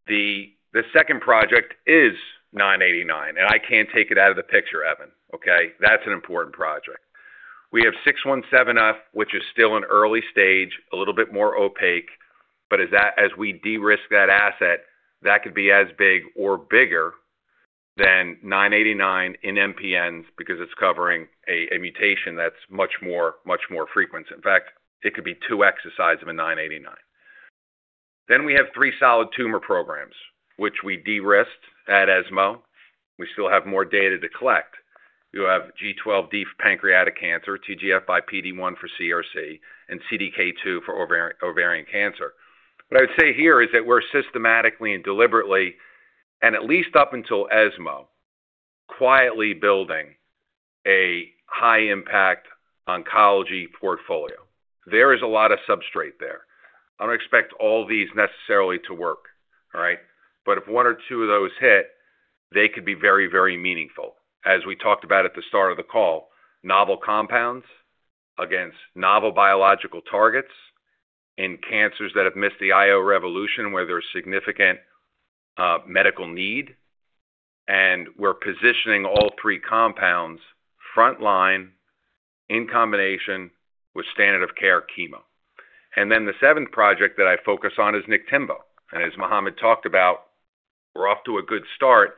The second project is 989, and I can't take it out of the picture, Evan. That's an important project. We have 617F, which is still early stage, a little bit more opaque, but as we de-risk that asset, that could be as big or bigger than 989 in MPNs because it's covering a mutation that's much more frequent. In fact, it could be 2X the size of a 989. We have three solid tumor programs, which we de-risked at ESMO. We still have more data to collect. We have KRAS G12D for pancreatic cancer, TGF-beta by PD-1 for CRC, and CDK2 for ovarian cancer. What I would say here is that we're systematically and deliberately, and at least up until ESMO, quietly building a high-impact oncology portfolio. There is a lot of substrate there. I don't expect all these necessarily to work. If one or two of those hit, they could be very, very meaningful. As we talked about at the start of the call, novel compounds against novel biological targets in cancers that have missed the IO revolution, where there's significant medical need, and we're positioning all three compounds frontline in combination with standard-of-care chemo. The seventh project that I focus on is Naktinvo. As Mohamed talked about, we're off to a good start.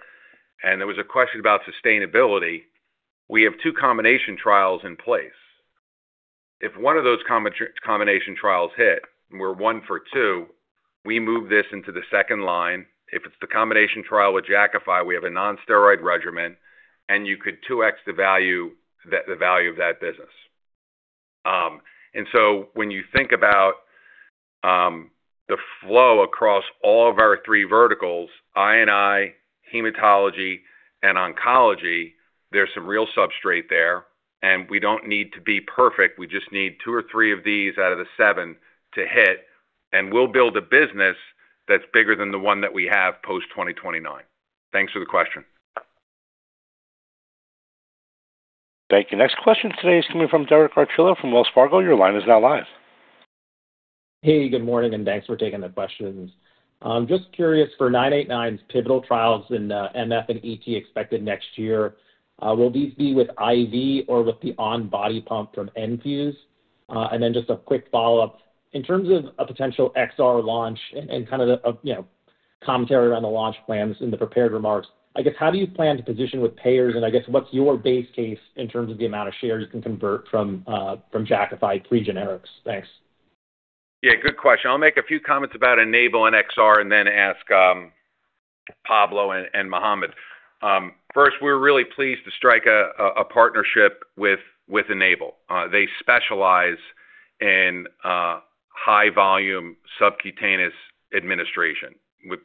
There was a question about sustainability. We have two combination trials in place. If one of those combination trials hit, we're one for two. We move this into the second line. If it's the combination trial with Jakafi, we have a non-steroid regimen, and you could 2X the value of that business. When you think about the flow across all of our three verticals, I&I, hematology, and oncology, there's some real substrate there. We don't need to be perfect. We just need two or three of these out of the seven to hit, and we'll build a business that's bigger than the one that we have post-2029. Thanks for the question. Thank you. Next question today is coming from Derek Archila from Wells Fargo. Your line is now live. Hey, good morning, and thanks for taking the questions. I'm just curious for 989's pivotal trials in MF and ET expected next year. Will these be with IV or with the on-body pump from Enfuse? In terms of a potential XR launch and kind of a commentary around the launch plans in the prepared remarks, I guess how do you plan to position with payers? I guess what's your base case in terms of the amount of shares you can convert from Jakafi pre-generics? Thanks. Yeah, good question. I'll make a few comments about ENABLE and XR and then ask Pablo and Mohamed. First, we're really pleased to strike a partnership with ENABLE. They specialize in high-volume subcutaneous administration with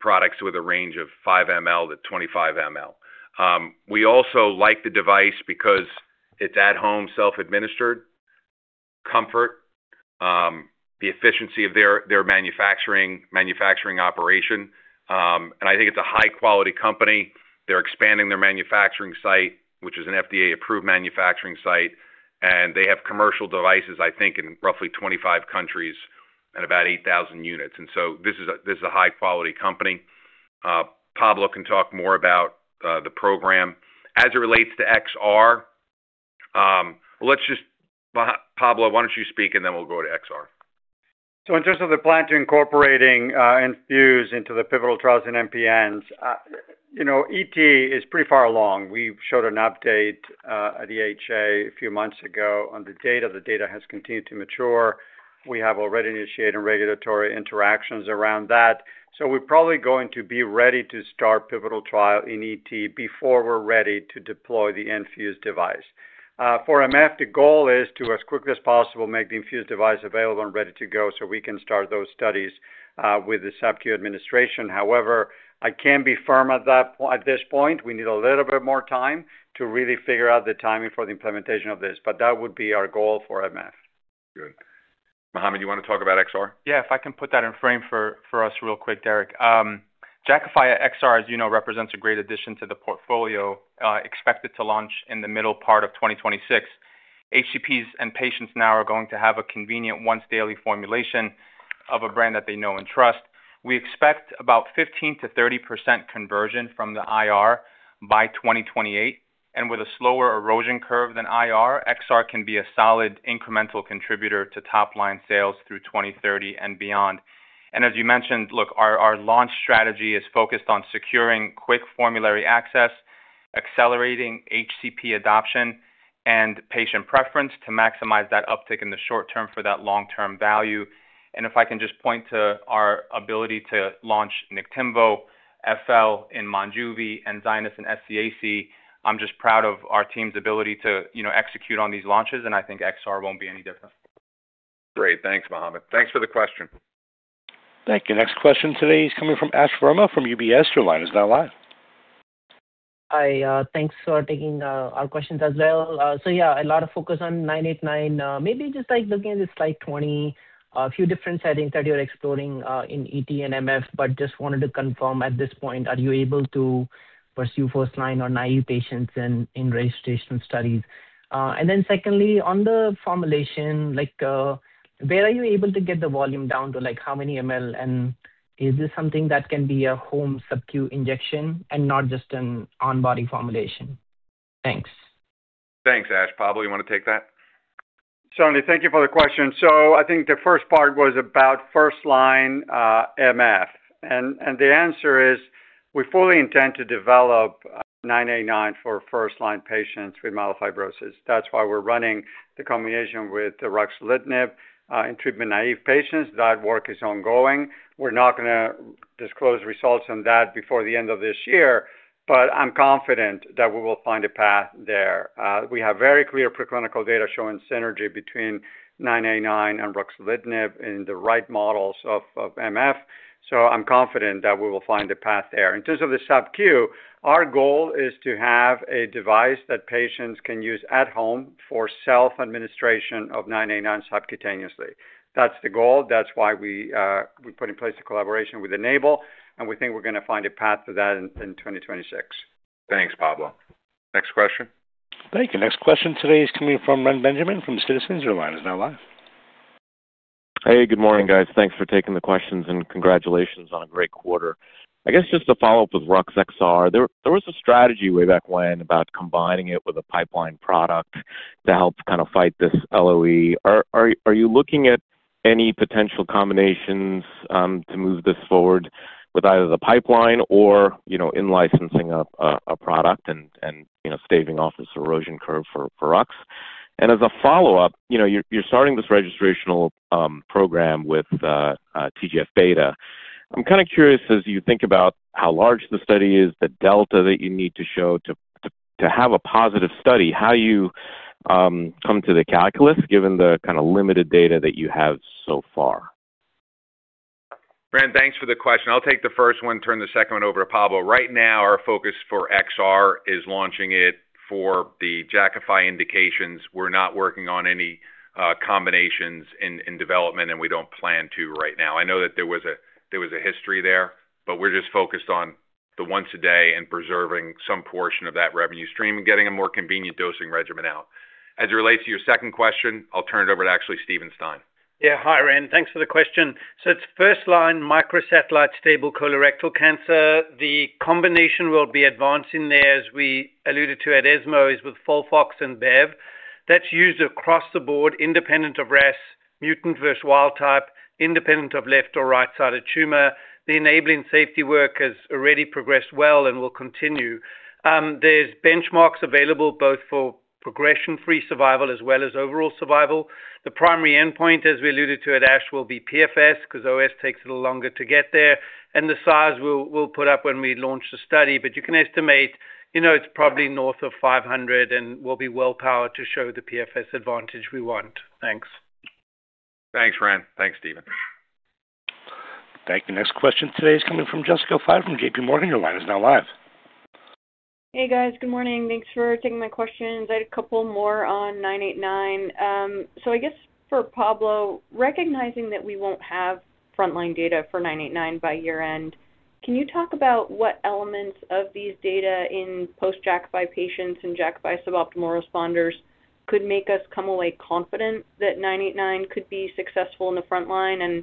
products with a range of 5 mL to 25 mL. We also like the device because it's at-home, self-administered, comfort, the efficiency of their manufacturing operation. I think it's a high-quality company. They're expanding their manufacturing site, which is an FDA-approved manufacturing site. They have commercial devices, I think, in roughly 25 countries and about 8,000 units. This is a high-quality company. Pablo can talk more about the program. As it relates to XR, Pablo, why don't you speak, and then we'll go to XR? In terms of the plan to incorporating Enfuse into the pivotal trials in MPNs, ET is pretty far along. We showed an update at EHA a few months ago on the data. The data has continued to mature. We have already initiated regulatory interactions around that. We're probably going to be ready to start pivotal trial in ET before we're ready to deploy the Enfuse device. For MF, the goal is to, as quickly as possible, make the Enfuse device available and ready to go so we can start those studies with the subcutaneous administration. However, I can be firm at this point. We need a little bit more time to really figure out the timing for the implementation of this, but that would be our goal for MF. Good. Mohamed, you want to talk about XR? Yeah, if I can put that in frame for us real quick, Derek. Jakafi XR, as you know, represents a great addition to the portfolio, expected to launch in the middle part of 2026. HCPs and patients now are going to have a convenient once-daily formulation of a brand that they know and trust. We expect about 15% to 30% conversion from the IR by 2028. With a slower erosion curve than IR, XR can be a solid incremental contributor to top-line sales through 2030 and beyond. Our launch strategy is focused on securing quick formulary access, accelerating HCP adoption, and patient preference to maximize that uptake in the short term for that long-term value. If I can just point to our ability to launch Naktinvo, FL in Monjuvi, and Zynyz in SCAC, I'm just proud of our team's ability to execute on these launches, and I think XR won't be any different. Great. Thanks, Mohamed. Thanks for the question. Thank you. Next question today is coming from Ash Verma from UBS. Your line is now live. Hi, thanks for taking our questions as well. A lot of focus on 989. Maybe just looking at this slide 20, a few different settings that you're exploring in ET and MF, but just wanted to confirm at this point, are you able to pursue first-line or naive patients in registration studies? Secondly, on the formulation, where are you able to get the volume down to, like how many mL? Is this something that can be a home subcutaneous injection and not just an on-body formulation? Thanks. Thanks, Ash. Pablo, you want to take that? Certainly. Thank you for the question. I think the first part was about first-line MF. The answer is we fully intend to develop 989 for first-line patients with myelofibrosis. That's why we're running the combination with ruxolitinib in treatment-naive patients. That work is ongoing. We're not going to disclose results on that before the end of this year, but I'm confident that we will find a path there. We have very clear preclinical data showing synergy between 989 and ruxolitinib in the right models of MF. I'm confident that we will find a path there. In terms of the subcutaneous, our goal is to have a device that patients can use at home for self-administration of 989 subcutaneously. That's the goal. That's why we put in place a collaboration with ENABLE, and we think we're going to find a path for that in 2026. Thanks, Pablo. Next question. Thank you. Next question today is coming from Ren Benjamin from Citizens. Your line is now live. Hey, good morning, guys. Thanks for taking the questions and congratulations on a great quarter. I guess just to follow up with Ruxolitinib XR, there was a strategy way back when about combining it with a pipeline product to help kind of fight this LOE. Are you looking at any potential combinations to move this forward with either the pipeline or in-licensing a product and saving off this erosion curve for Ruxolitinib? As a follow-up, you know you're starting this registrational program with TGF-beta. I'm kind of curious as you think about how large the study is, the delta that you need to show to have a positive study, how do you come to the calculus given the kind of limited data that you have so far? Ren, thanks for the question. I'll take the first one, turn the second one over to Pablo. Right now, our focus for XR is launching it for the Jakafi indications. We're not working on any combinations in development, and we don't plan to right now. I know that there was a history there, but we're just focused on the once-a-day and preserving some portion of that revenue stream and getting a more convenient dosing regimen out. As it relates to your second question, I'll turn it over to actually Steven Stein. Yeah, hi, Ren. Thanks for the question. It's first-line microsatellite stable colorectal cancer. The combination we'll be advancing there, as we alluded to at ESMO, is with FOLFOX and BEV. That's used across the board, independent of RAS mutant versus wild type, independent of left or right-sided tumor. The enabling safety work has already progressed well and will continue. There are benchmarks available both for progression-free survival as well as overall survival. The primary endpoint, as we alluded to at ASH, will be PFS because OS takes a little longer to get there. The size we'll put up when we launch the study, but you can estimate it's probably north of 500, and we'll be well-powered to show the PFS advantage we want. Thanks. Thanks, Ren. Thanks, Steven. Thank you. Next question today is coming from Jessica Five from J.P. Morgan. Your line is now live. Hey guys, good morning. Thanks for taking my questions. I had a couple more on 989. For Pablo, recognizing that we won't have frontline data for 989 by year-end, can you talk about what elements of these data in post-Jakafi patients and Jakafi suboptimal responders could make us come away confident that 989 could be successful in the frontline?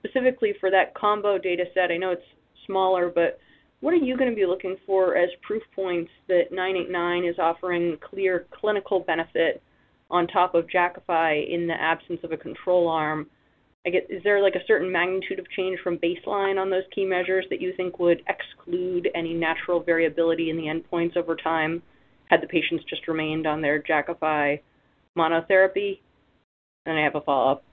Specifically for that combo data set, I know it's smaller, but what are you going to be looking for as proof points that 989 is offering clear clinical benefit on top of Jakafi in the absence of a control arm? Is there a certain magnitude of change from baseline on those key measures that you think would exclude any natural variability in the endpoints over time had the patients just remained on their Jakafi monotherapy? I have a follow-up.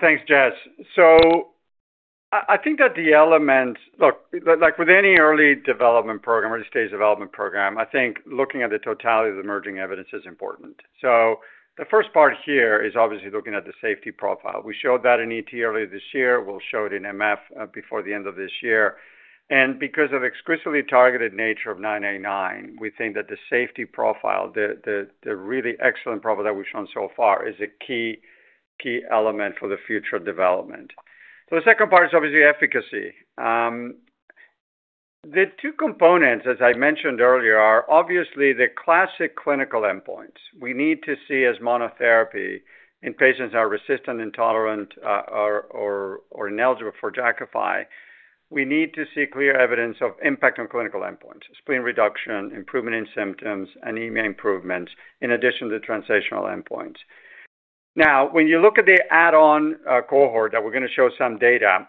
Thanks, Jess. I think that the element, like with any early development program, early-stage development program, looking at the totality of the emerging evidence is important. The first part here is obviously looking at the safety profile. We showed that in ET earlier this year. We'll show it in MF before the end of this year. Because of the exclusively targeted nature of 989, we think that the safety profile, the really excellent profile that we've shown so far, is a key element for the future development. The second part is obviously efficacy. The two components, as I mentioned earlier, are obviously the classic clinical endpoints. We need to see as monotherapy in patients that are resistant, intolerant, or ineligible for Jakafi. We need to see clear evidence of impact on clinical endpoints: spleen reduction, improvement in symptoms, anemia improvements, in addition to translational endpoints. Now, when you look at the add-on cohort that we're going to show some data,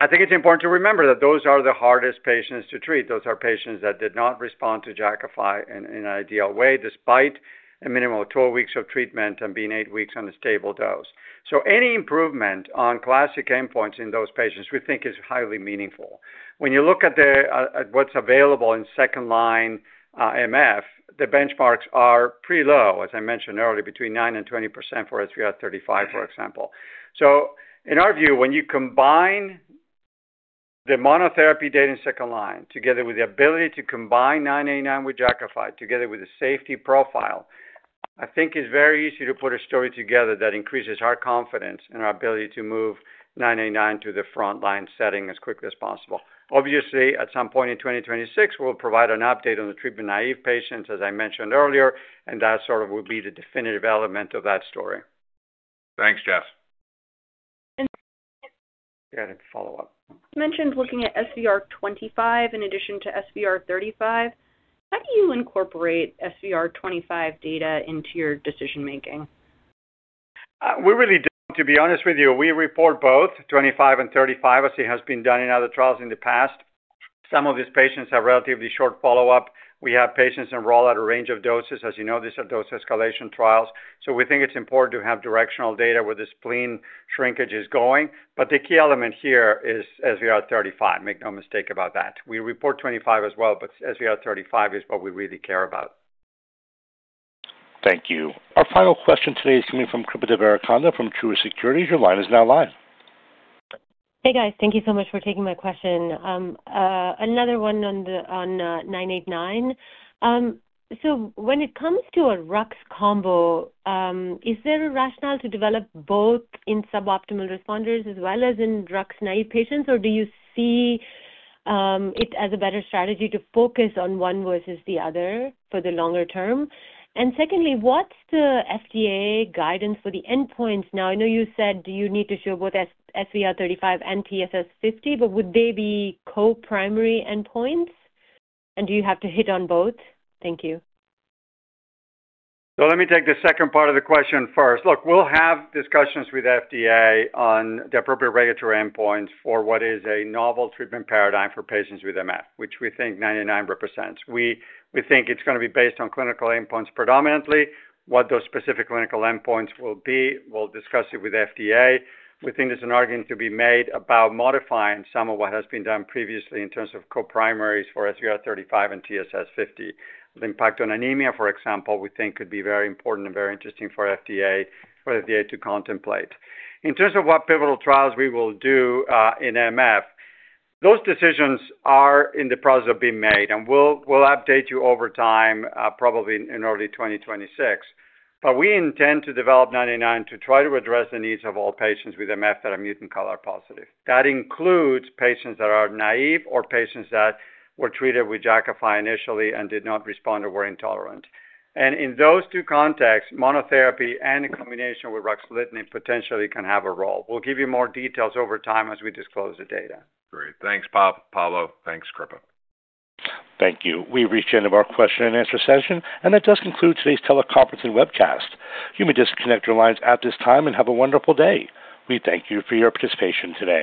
I think it's important to remember that those are the hardest patients to treat. Those are patients that did not respond to Jakafi in an ideal way, despite a minimum of 12 weeks of treatment and being eight weeks on a stable dose. Any improvement on classic endpoints in those patients we think is highly meaningful. When you look at what's available in second-line MF, the benchmarks are pretty low, as I mentioned earlier, between 9% and 20% for SVR35, for example. In our view, when you combine the monotherapy data in second line together with the ability to combine 989 with Jakafi together with a safety profile, I think it's very easy to put a story together that increases our confidence in our ability to move 989 to the frontline setting as quickly as possible. At some point in 2026, we'll provide an update on the treatment-naive patients, as I mentioned earlier, and that will be the definitive element of that story. Thanks, Jess. Yeah, I had a follow-up. You mentioned looking at SVR25 in addition to SVR35. How do you incorporate SVR25 data into your decision-making? We really don't, to be honest with you. We report both 25 and 35, as it has been done in other trials in the past. Some of these patients have relatively short follow-up. We have patients enrolled at a range of doses. As you know, these are dose escalation trials. We think it's important to have directional data where the spleen shrinkage is going. The key element here is SVR35. Make no mistake about that. We report 25 as well, but SVR35 is what we really care about. Thank you. Our final question today is coming from Crypto Vericonda from True Securities. Your line is now live. Hey guys, thank you so much for taking my question. Another one on 989. When it comes to a Rux combo, is there a rationale to develop both in suboptimal responders as well as in Rux-naive patients, or do you see it as a better strategy to focus on one versus the other for the longer term? Secondly, what's the FDA guidance for the endpoints? I know you said you need to show both SVR35 and TSS50, but would they be co-primary endpoints? Do you have to hit on both? Thank you. Let me take the second part of the question first. We'll have discussions with FDA on the appropriate regulatory endpoints for what is a novel treatment paradigm for patients with MF, which we think 989 represents. We think it's going to be based on clinical endpoints predominantly. What those specific clinical endpoints will be, we'll discuss it with FDA. We think there's an argument to be made about modifying some of what has been done previously in terms of co-primaries for SVR35 and TSS50. The impact on anemia, for example, we think could be very important and very interesting for FDA to contemplate. In terms of what pivotal trials we will do in MF, those decisions are in the process of being made, and we'll update you over time, probably in early 2026. We intend to develop 989 to try to address the needs of all patients with MF that are mutant CALR positive. That includes patients that are naive or patients that were treated with Jakafi initially and did not respond or were intolerant. In those two contexts, monotherapy and a combination with ruxolitinib potentially can have a role. We'll give you more details over time as we disclose the data. Great. Thanks, Pablo. Thanks, Tom. Thank you. We reached the end of our question and answer session, and that does conclude today's teleconference and webcast. You may disconnect your lines at this time and have a wonderful day. We thank you for your participation today.